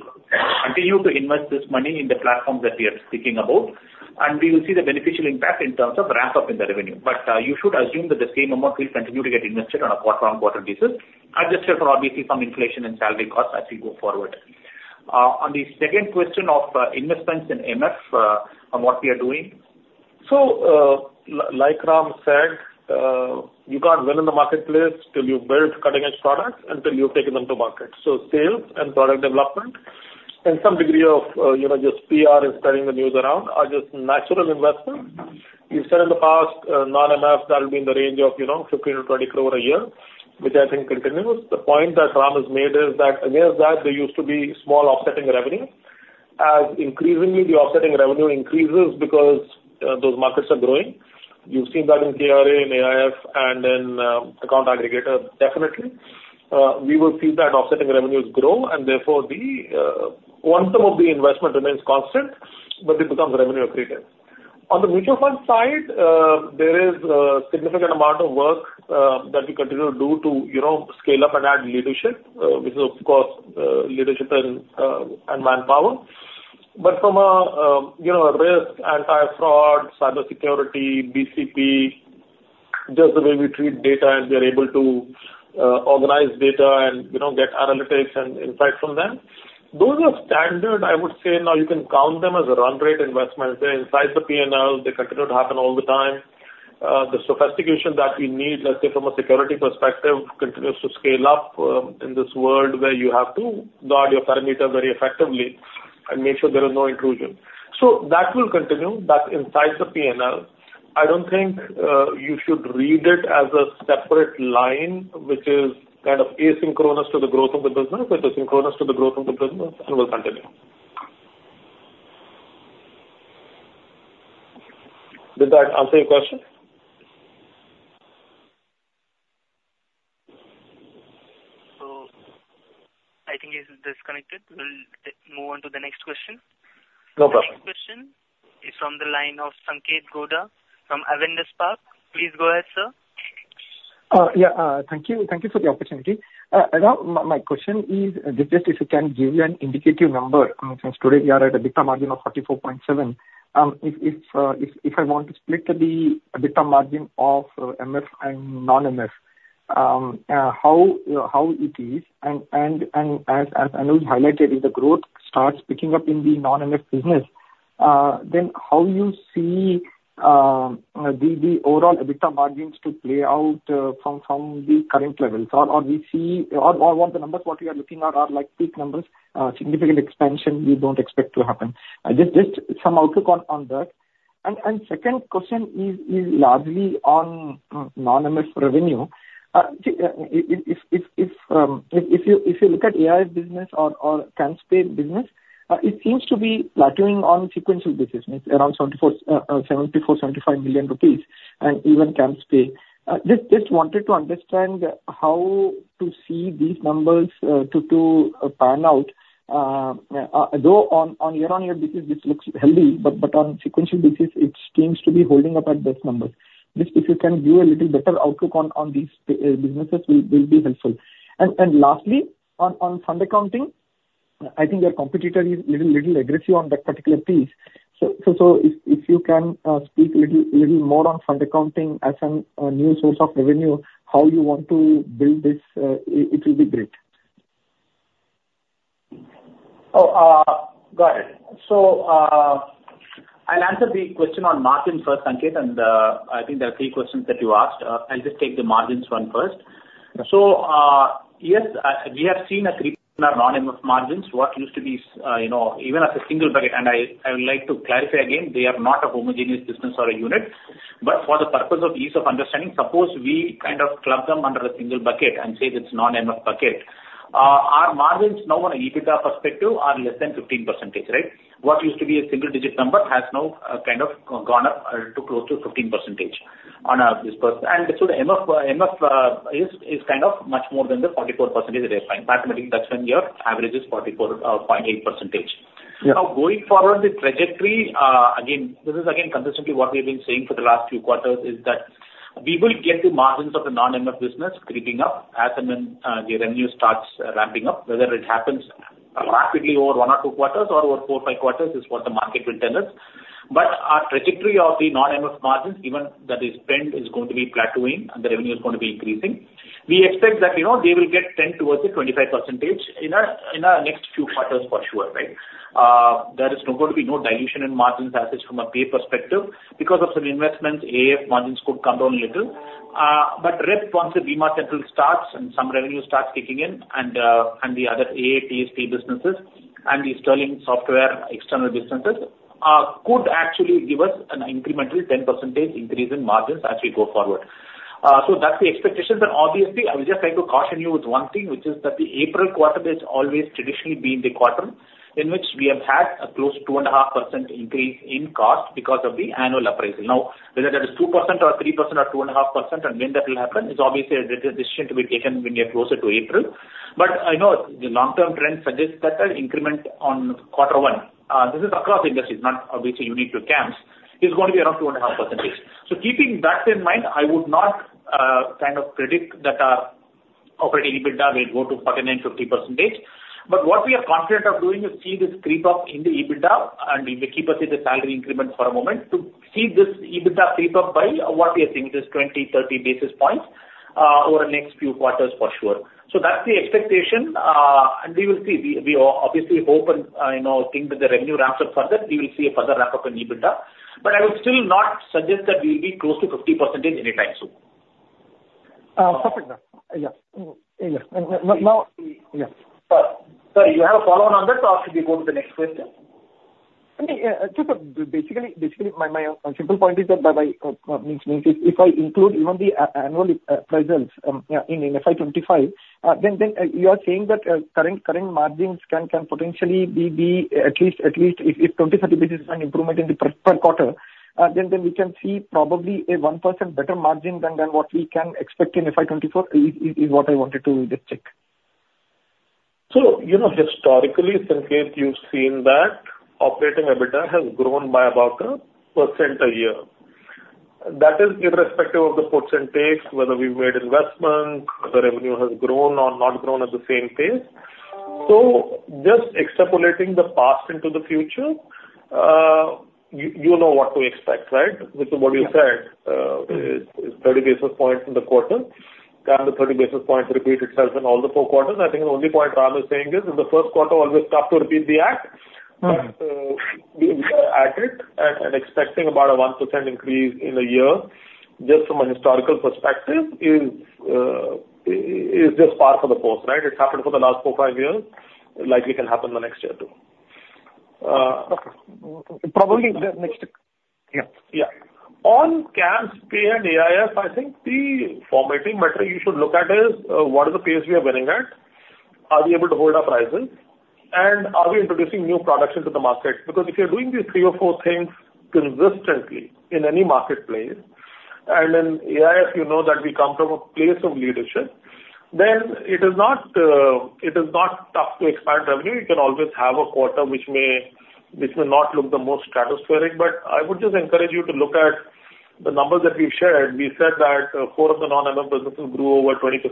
continue to invest this money in the platforms that we are speaking about, and we will see the beneficial impact in terms of ramp-up in the revenue. But, you should assume that the same amount will continue to get invested on a quarter-over-quarter basis, adjusted for obviously some inflation and salary costs as we go forward. On the second question of investments in MF, on what we are doing. So, like Ram said, you can't win in the marketplace till you build cutting-edge products, until you've taken them to market. So sales and product development and some degree of, you know, just PR and spreading the news around are just natural investments. We've said in the past, non-MF, that'll be in the range of, you know, 15 crore-20 crore a year, which I think continues. The point that Ram has made is that against that, there used to be small offsetting revenue. As increasingly the offsetting revenue increases because, those markets are growing. You've seen that in CRA, in AIF, and in, account aggregator, definitely. We will see that offsetting revenues grow, and therefore, the, one term of the investment remains constant, but it becomes revenue accretive. On the mutual fund side, there is a significant amount of work, that we continue to do to, you know, scale up and add leadership, which is, of course, leadership and, and manpower. But from a, you know, risk, anti-fraud, cybersecurity, BCP, just the way we treat data and we are able to organize data and, you know, get analytics and insight from them, those are standard, I would say. Now, you can count them as run rate investments. They're inside the P&L. They continue to happen all the time. The sophistication that we need, let's say, from a security perspective, continues to scale up in this world where you have to guard your perimeter very effectively and make sure there is no intrusion. So that will continue. That's inside the P&L. I don't think you should read it as a separate line, which is kind of asynchronous to the growth of the business. It is synchronous to the growth of the business, and will continue. Did that answer your question? So I think he's disconnected. We'll move on to the next question. No problem. The next question is from the line of Sanketh Godha from Avendus Spark. Please go ahead, sir. Yeah, thank you. Thank you for the opportunity. Anuj, my question is just if you can give me an indicative number. Since today we are at a EBITDA margin of 44.7%, if I want to split the EBITDA margin of MF and non-MF, how it is? And as Anuj highlighted, if the growth starts picking up in the non-MF business, then how you see the overall EBITDA margins to play out from the current levels? Or what the numbers we are looking at are like peak numbers, significant expansion we don't expect to happen. Just some outlook on that. And second question is largely on non-MF revenue. If you look at AIF business or CAMSPay business, it seems to be plateauing on sequential basis. It's around 74-75 million rupees, and even CAMSPay. Just wanted to understand how to see these numbers to pan out. Though on year-on-year basis, this looks healthy, but on sequential basis, it seems to be holding up at best numbers. Just if you can give a little better outlook on these businesses will be helpful. And lastly, on fund accounting, I think your competitor is little aggressive on that particular piece. So if you can speak a little more on fund accounting as a new source of revenue, how you want to build this, it will be great. Oh, got it. So, I'll answer the question on margin first, Sanketh, and, I think there are three questions that you asked. I'll just take the margins one first. Okay. So, yes, we have seen a creep in our non-MF margins. What used to be, you know, even as a single bucket, and I would like to clarify again, they are not a homogeneous business or a unit. But for the purpose of ease of understanding, suppose we kind of club them under a single bucket and say it's non-MF bucket. Our margins now on an EBITDA perspective are less than 15%, right? What used to be a single-digit number has now kind of gone up to close to 15% on a per se. And so the MF is kind of much more than the 44% that they're paying. Mathematically, that's when your average is 44.8%. Yeah. Now, going forward, the trajectory, again, this is again, consistently what we've been saying for the last few quarters, is that we will get the margins of the non-MF business creeping up as and when the revenue starts ramping up. Whether it happens rapidly over one or two quarters or over four or five quarters, is what the market will tell us. But our trajectory of the non-MF margins, even that is spent, is going to be plateauing and the revenue is going to be increasing. We expect that, you know, they will get 10 towards the 25% in our, in our next few quarters for sure, right? There is not going to be no dilution in margins as is from a Pay perspective. Because of some investments, AIF margins could come down a little. But rep, once the Bima Central starts and some revenue starts kicking in, and the other AA, TSP businesses and the Sterling Software external businesses could actually give us an incremental 10% increase in margins as we go forward. So that's the expectation. But obviously, I would just like to caution you with one thing, which is that the April quarter has always traditionally been the quarter in which we have had a close 2.5% increase in cost because of the annual appraisal. Now, whether that is 2% or 3% or 2.5%, and when that will happen, is obviously a decision to be taken when we are closer to April. But I know the long-term trend suggests that an increment on quarter one, this is across industries, not obviously unique to CAMS, is going to be around 2.5%. So keeping that in mind, I would not kind of predict that our operating EBITDA will go to 49%-50%. But what we are confident of doing is see this creep up in the EBITDA, and we will keep aside the salary increment for a moment to see this EBITDA creep up by what we are thinking is 20-30 basis points over the next few quarters for sure. So that's the expectation. And we will see. We obviously hope and you know think that the revenue ramps up further, we will see a further ramp up in EBITDA. I would still not suggest that we will be close to 50% anytime soon. Perfect, yeah. Yeah. And now, yeah. Sir, you have a follow on on that, or should we go to the next question? I mean, so basically, my simple point is that by means, if I include even the annual appraisals, yeah, in FY 2025, then you are saying that current margins can potentially be at least if 20-30 basis point improvement in the per quarter, then we can see probably a 1% better margin than what we can expect in FY 2024, is what I wanted to just check. So, you know, historically, Sanketh, you've seen that operating EBITDA has grown by about 1% a year. That is irrespective of the puts and takes, whether we've made investments, whether revenue has grown or not grown at the same pace. So just extrapolating the past into the future, you, you know what to expect, right? Which is what you said, is 30 basis points in the quarter. Can the 30 basis points repeat itself in all the four quarters? I think the only point Ram is saying is, is the first quarter always tough to repeat the act. Mm-hmm. But we are at it and expecting about a 1% increase in a year, just from a historical perspective, is just par for the course, right? It's happened for the last four, five years, likely can happen the next year, too. Probably the next, yeah. Yeah. On CAMSPay and AIF, I think the formative metric you should look at is what is the pace we are winning at? Are we able to hold our prices? And are we introducing new products into the market? Because if you're doing these three or four things consistently in any marketplace, and in AIF, you know that we come from a place of leadership, then it is not tough to expand revenue. You can always have a quarter which may not look the most stratospheric. But I would just encourage you to look at the numbers that we've shared. We said that core of the non-MF businesses grew over 20%.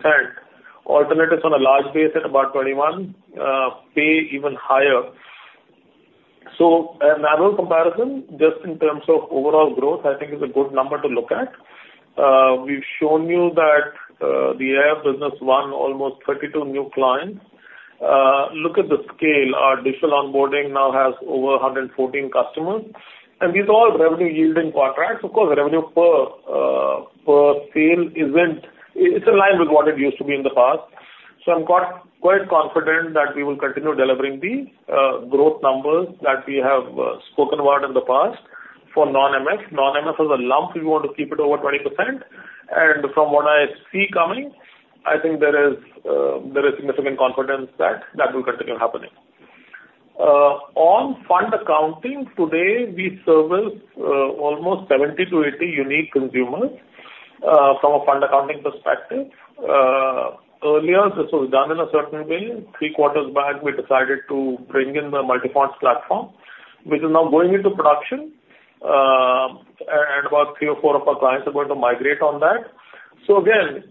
Alternatives on a large base at about 21%, pay even higher. So an annual comparison, just in terms of overall growth, I think is a good number to look at. We've shown you that, the AIF business won almost 32 new clients. Look at the scale. Our digital onboarding now has over 114 customers, and these are all revenue-yielding contracts. Of course, revenue per, per sale isn't. It's in line with what it used to be in the past. So I'm quite confident that we will continue delivering the, growth numbers that we have, spoken about in the past for non-MF. Non-MF as a lump, we want to keep it over 20%. And from what I see coming, I think there is, there is significant confidence that that will continue happening. On fund accounting, today, we service, almost 70-80 unique consumers, from a fund accounting perspective. Earlier, this was done in a certain way. Three quarters back, we decided to bring in the Multi Funds platform, which is now going into production, and about three or four of our clients are going to migrate on that. So again,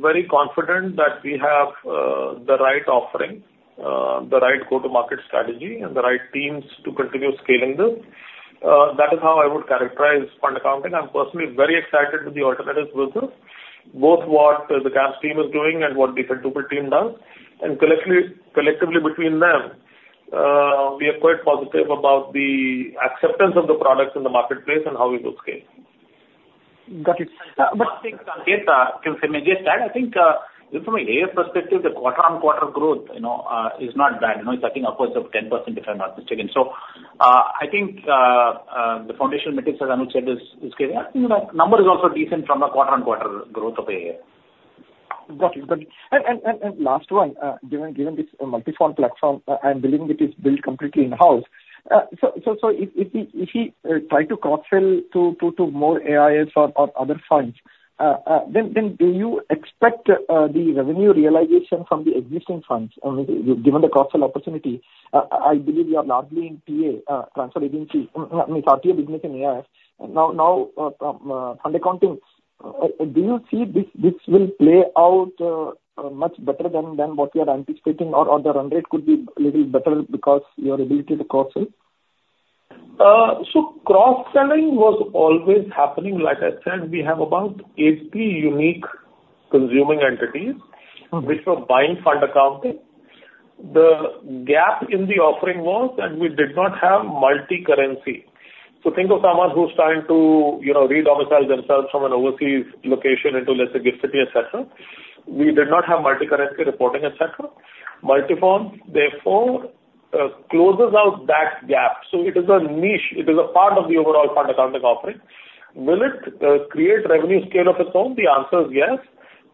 very confident that we have the right offering, the right go-to-market strategy, and the right teams to continue scaling this. That is how I would characterize fund accounting. I'm personally very excited with the alternatives business, both what the CAMS team is doing and what the Fintuple team does. And collectively between them, we are quite positive about the acceptance of the products in the marketplace and how it will scale. Got it. But, I think, Sanketh, if I may just add, I think, from an AIF perspective, the quarter-on-quarter growth, you know, is not bad. You know, it's I think upwards of 10%, if I'm not mistaken. So I think, the foundational metrics, as Anuj said, is scaling up. You know, number is also decent from a quarter-on-quarter growth of AUM. Got it. Got it. And last one, given this Multifonds platform, I'm believing it is built completely in-house. So if we try to cross-sell to more AIFs or other funds, then do you expect the revenue realization from the existing funds, I mean, given the cross-sell opportunity? I believe you are largely in TA, transfer agency, I mean, RTA business in AIFs. Now, fund accounting, do you see this will play out much better than what you are anticipating or the run rate could be little better because your ability to cross-sell? So cross-selling was always happening. Like I said, we have about 80 unique consuming entities- Mm-hmm. -which were buying fund accounting. The gap in the offering was that we did not have multi-currency. So think of someone who's trying to, you know, re-domicile themselves from an overseas location into, let's say, GIFT City, et cetera. We did not have multi-currency reporting, et cetera. Multifonds, therefore, closes out that gap. So it is a niche, it is a part of the overall fund accounting offering. Will it create revenue scale of its own? The answer is yes.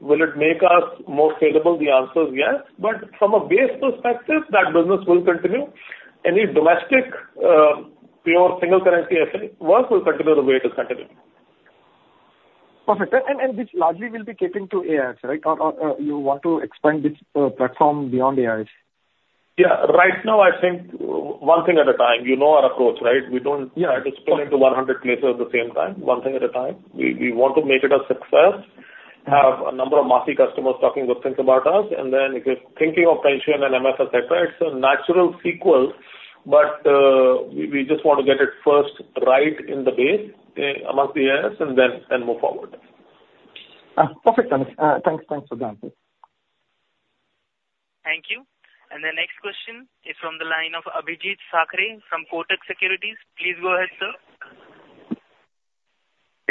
Will it make us more scalable? The answer is yes. But from a base perspective, that business will continue. Any domestic pure single currency asset work will continue the way it is continuing. Perfect. And which largely will be catering to AIF, right? Or you want to expand this platform beyond AIF? Yeah. Right now, I think one thing at a time. You know our approach, right? We don't- Yeah. -deploy into 100 places at the same time, one thing at a time. We, we want to make it a success. Have a number of massive customers talking good things about us, and then if you're thinking of pension and MF, et cetera, it's a natural sequel, but we just want to get it first, right in the base, amongst the AIF and then move forward. Perfect, Anuj. Thanks, thanks for the update. Thank you. The next question is from the line of Abhijeet Sakhare, from Kotak Securities. Please go ahead, sir.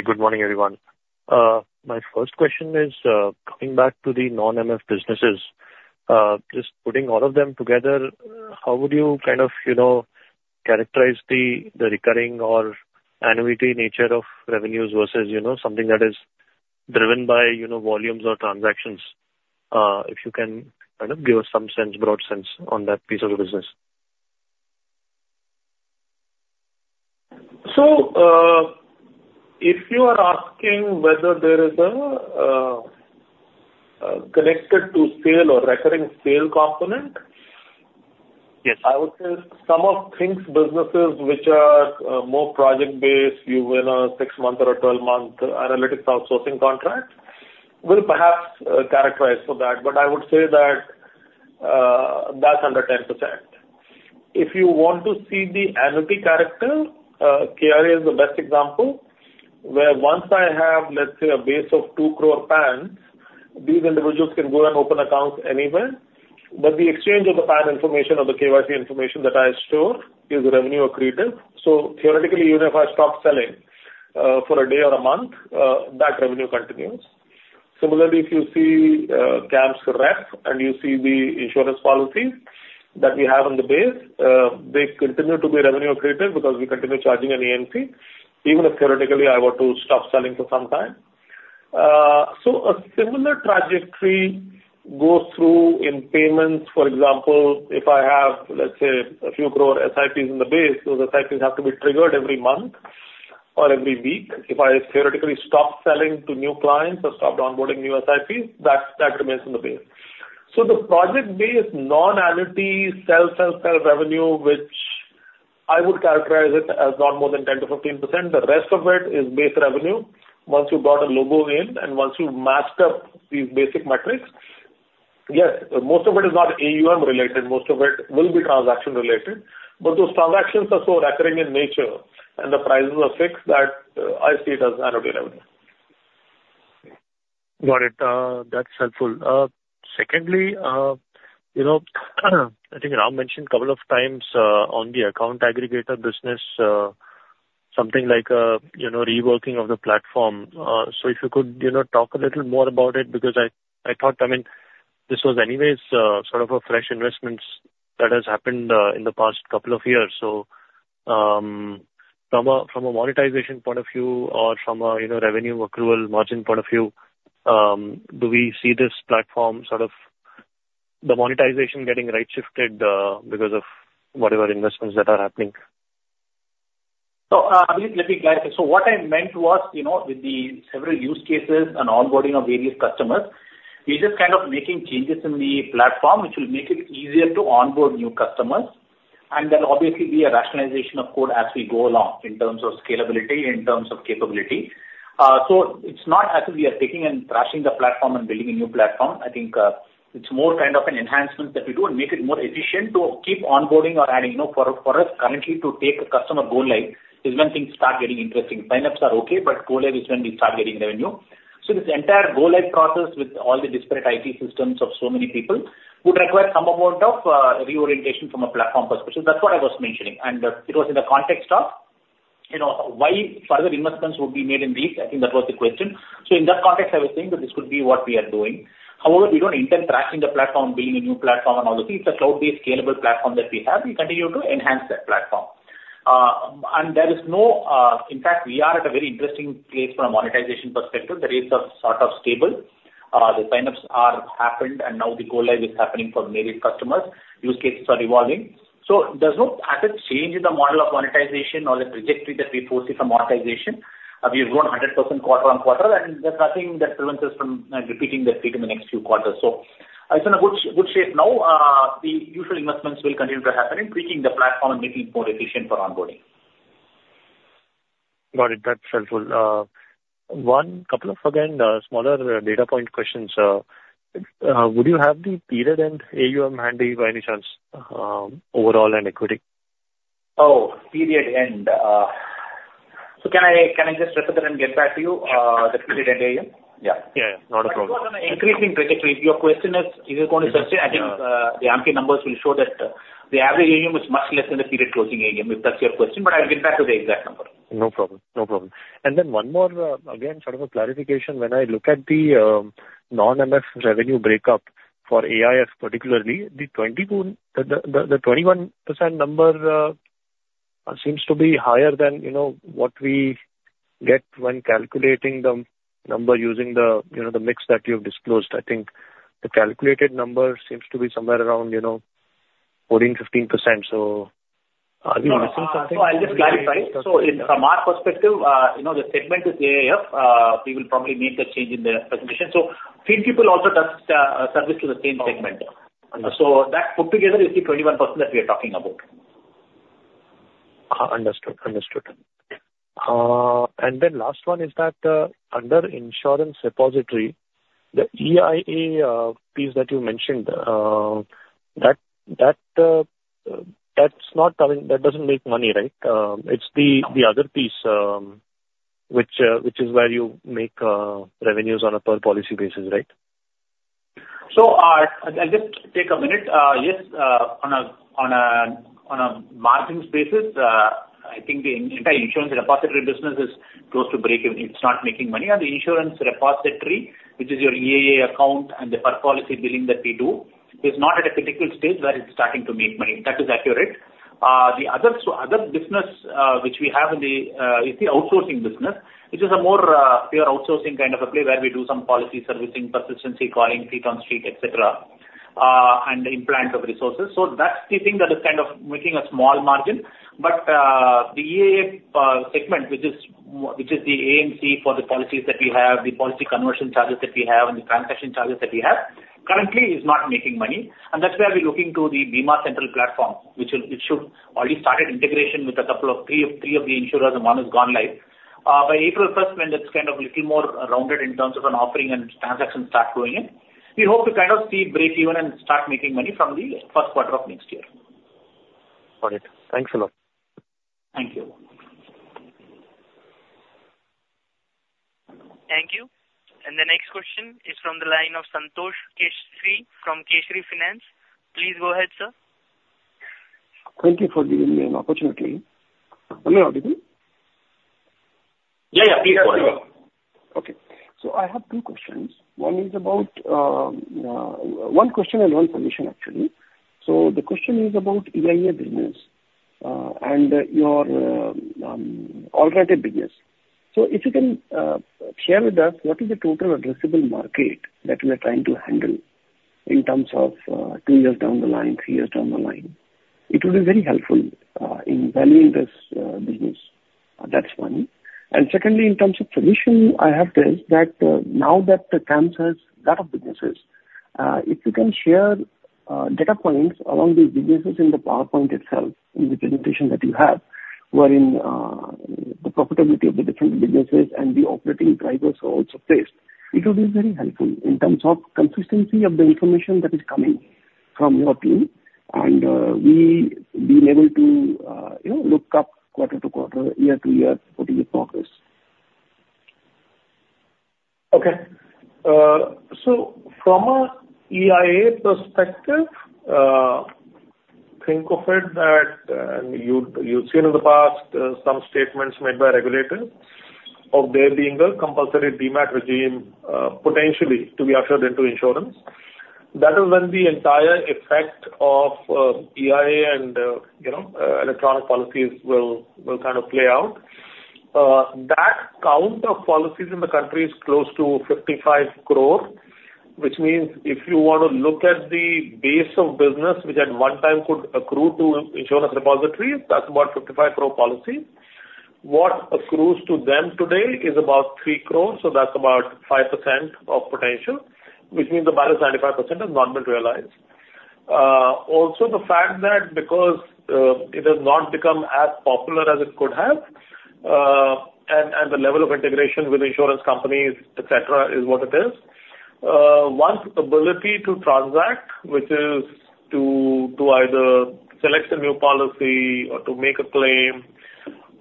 Good morning, everyone. My first question is coming back to the non-MF businesses. Just putting all of them together, how would you kind of, you know, characterize the recurring or annuity nature of revenues versus, you know, something that is driven by, you know, volumes or transactions? If you can kind of give us some sense, broad sense, on that piece of the business. So, if you are asking whether there is a, connected to sale or recurring sale component? Yes. I would say some of Think's businesses, which are, more project-based, you win a 6-month or a 12-month analytics outsourcing contract, will perhaps, characterize for that. But I would say that, that's under 10%. If you want to see the annuity character, KRA is the best example, where once I have, let's say, a base of 2 crore PANs, these individuals can go and open accounts anywhere, but the exchange of the PAN information or the KYC information that I store is revenue accretive. So theoretically, even if I stop selling, for a day or a month, that revenue continues. Similarly, if you see, CAMSRep, and you see the insurance policies that we have on the base, they continue to be revenue accretive because we continue charging an AMC, even if theoretically I were to stop selling for some time. So a similar trajectory goes through in payments. For example, if I have, let's say, a few crore SIPs in the base, those SIPs have to be triggered every month or every week. If I theoretically stop selling to new clients or stop onboarding new SIPs, that remains in the base. So the project-based, non-annuity, sell, sell, sell revenue, which I would characterize it as not more than 10%-15%. The rest of it is base revenue. Once you've got a logo in, and once you've masked up these basic metrics, yes, most of it is not AUM related, most of it will be transaction related. But those transactions are so recurring in nature and the prices are fixed that, I see it as annuity revenue. Got it. That's helpful. Secondly, you know, I think Ram mentioned a couple of times, on the account aggregator business, something like, you know, reworking of the platform. So if you could, you know, talk a little more about it, because I, I thought, I mean, this was anyways, sort of a fresh investments that has happened, in the past couple of years. So, from a, from a monetization point of view or from a, you know, revenue accrual margin point of view, do we see this platform sort of the monetization getting right-shifted, because of whatever investments that are happening? So, let me, let me clarify. So what I meant was, you know, with the several use cases and onboarding of various customers, we're just kind of making changes in the platform, which will make it easier to onboard new customers. And there'll obviously be a rationalization of code as we go along, in terms of scalability, in terms of capability. So it's not as if we are taking and trashing the platform and building a new platform. I think, it's more kind of an enhancement that we do and make it more efficient to keep onboarding or adding. You know, for, for us currently to take a customer go-live is when things start getting interesting. Sign-ups are okay, but go-live is when we start getting revenue. So this entire go-live process with all the disparate IT systems of so many people, would require some amount of reorientation from a platform perspective. That's what I was mentioning, and it was in the context of. You know, why further investments would be made in these? I think that was the question. So in that context, I was saying that this could be what we are doing. However, we don't intend tracking the platform, building a new platform and all the things. It's a cloud-based, scalable platform that we have. We continue to enhance that platform. And there is no. In fact, we are at a very interesting place from a monetization perspective. The rates are sort of stable. The sign-ups are happened, and now the go-live is happening for many customers. Use cases are evolving. So there's no change in the model of monetization or the trajectory that we foresee from monetization. We've grown 100% quarter-on-quarter, and there's nothing that prevents us from repeating that feat in the next few quarters. So it's in a good, good shape now. The usual investments will continue to happen in tweaking the platform and making it more efficient for onboarding. Got it. That's helpful. One couple of, again, smaller data point questions. Would you have the period and AUM handy, by any chance, overall and equity? Oh, period end, so can I, can I just look at that and get back to you, the period end AUM? Yeah. Yeah, yeah. Not a problem. Increasing trajectory. If your question is, if you're going to search it, I think, the numbers will show that, the average AUM is much less than the period closing AUM, if that's your question, but I'll get back to the exact number. No problem. No problem. And then one more, again, sort of a clarification. When I look at the non-MF revenue breakup for AIF, particularly, the 21, the, the, the 21% number seems to be higher than, you know, what we get when calculating the number using the, you know, the mix that you've disclosed. I think the calculated number seems to be somewhere around, you know, 14%-15%. So, are you missing something? So I'll just clarify. So in, from our perspective, you know, the segment is AIF, we will probably make that change in the presentation. So Fintuple tech service to the same segment. Okay. That put together is the 21% that we are talking about. Understood. Understood. And then last one is that, under insurance repository, the EIA piece that you mentioned, that that's not coming. That doesn't make money, right? It's the other piece, which is where you make revenues on a per policy basis, right? So, I'll just take a minute. Yes, on a margins basis, I think the entire insurance repository business is close to breakeven. It's not making money. The insurance repository, which is your EIA account and the per policy billing that we do, is not at a critical stage where it's starting to make money. That is accurate. The other business, which we have in the, is the outsourcing business, which is a more pure outsourcing kind of a play, where we do some policy servicing, persistency, calling, feet on street, et cetera, and the implant of resources. So that's the thing that is kind of making a small margin. But, the EIA segment, which is the AMC for the policies that we have, the policy conversion charges that we have, and the transaction charges that we have, currently is not making money. And that's where we're looking to the Bima Central platform, which will—it should already started integration with a couple of, three of, three of the insurers, and one has gone live. By April first, when that's kind of a little more rounded in terms of an offering and transactions start flowing in, we hope to kind of see breakeven and start making money from the first quarter of next year. Got it. Thanks a lot. Thank you. Thank you. The next question is from the line of Santhosh Kesari from Kesari Finance. Please go ahead, sir. Thank you for giving me an opportunity. Am I audible? Yeah, yeah. Please go ahead. Okay. So I have two questions. One is about one question and one permission, actually. So the question is about EIA business, and your alternative business. So if you can share with us, what is the total addressable market that you are trying to handle in terms of two years down the line, three years down the line? It will be very helpful in valuing this business. That's one. Secondly, in terms of permission, now that the company has a lot of businesses, if you can share data points around these businesses in the PowerPoint itself, in the presentation that you have, wherein the profitability of the different businesses and the operating drivers are also faced, it will be very helpful in terms of consistency of the information that is coming from your team, and we being able to, you know, look up quarter to quarter, year to year, what is the progress? Okay. So from a EIA perspective, think of it that you'd seen in the past some statements made by regulators of there being a compulsory demat regime potentially to be ushered into insurance. That is when the entire effect of EIA and you know electronic policies will kind of play out. That count of policies in the country is close to 55 crore, which means if you want to look at the base of business, which at one time could accrue to insurance repositories, that's about 55 crore policy. What accrues to them today is about 3 crore, so that's about 5% of potential, which means about 95% is not been realized. Also, the fact that because it has not become as popular as it could have, and, and the level of integration with insurance companies, et cetera, is what it is. One's ability to transact, which is to, to either select a new policy or to make a claim,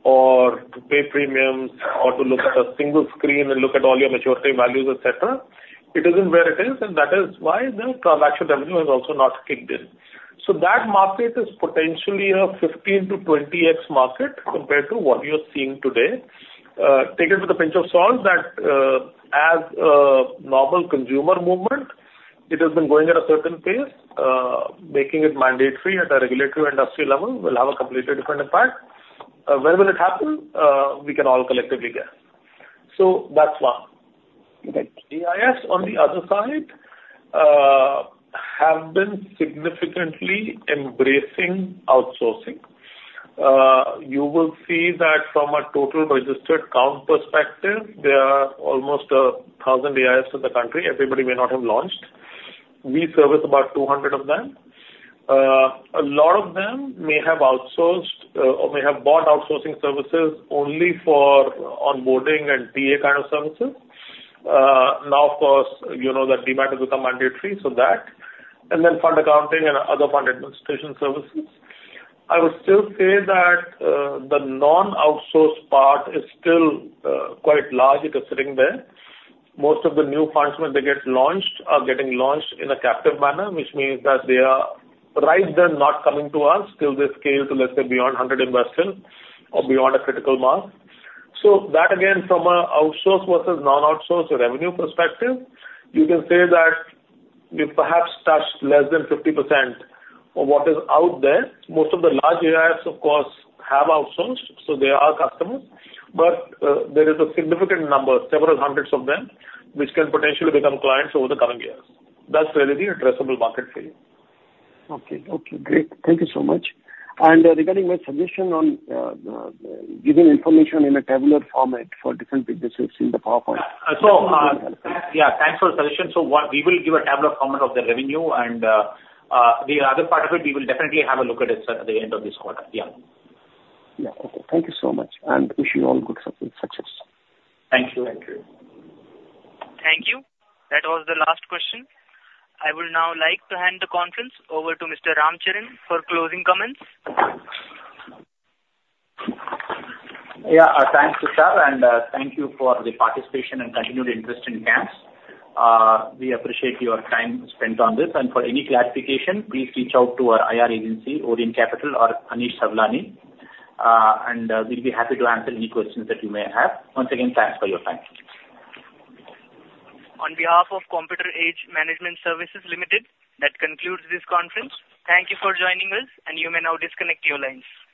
or to pay premiums, or to look at a single screen and look at all your maturity values, et cetera, it isn't where it is, and that is why the transaction revenue has also not kicked in. So that market is potentially a 15x-20x market compared to what you're seeing today. Take it with a pinch of salt that, as a normal consumer movement, it has been going at a certain pace, making it mandatory at a regulatory and industry level will have a completely different impact. When will it happen? We can all collectively guess. So that's one. AIF, on the other side, have been significantly embracing outsourcing. You will see that from a total registered count perspective, there are almost 1,000 AIFs in the country. Everybody may not have launched. We service about 200 of them. A lot of them may have outsourced, or may have bought outsourcing services only for onboarding and TA kind of services. Now, of course, you know, the demand has become mandatory, so that, and then fund accounting and other fund administration services. I would still say that the non-outsourced part is still quite large. It is sitting there. Most of the new funds, when they get launched, are getting launched in a captive manner, which means that they are right there, not coming to us till they scale to, let's say, beyond 100 investors or beyond a critical mass. So that, again, from an outsource versus non-outsource revenue perspective, you can say that we perhaps touched less than 50% of what is out there. Most of the large AIFs, of course, have outsourced, so they are customers, but there is a significant number, several hundreds of them, which can potentially become clients over the coming years. That's really the addressable market for you. Okay. Okay, great. Thank you so much. And regarding my suggestion on the giving information in a tabular format for different businesses in the PowerPoint. So, yeah, thanks for the suggestion. So we will give a tabular format of the revenue and the other part of it, we will definitely have a look at it at the end of this quarter. Yeah. Yeah. Okay. Thank you so much, and wish you all good success. Thank you. Thank you. Thank you. That was the last question. I will now like to hand the conference over to Mr. Ram Charan for closing comments. Yeah, thanks, Tushar, and thank you for the participation and continued interest in CAMS. We appreciate your time spent on this, and for any clarification, please reach out to our IR agency, Orient Capital, or Anish Sawlani, and we'll be happy to answer any questions that you may have. Once again, thanks for your time. On behalf of Computer Age Management Services Limited, that concludes this conference. Thank you for joining us, and you may now disconnect your lines.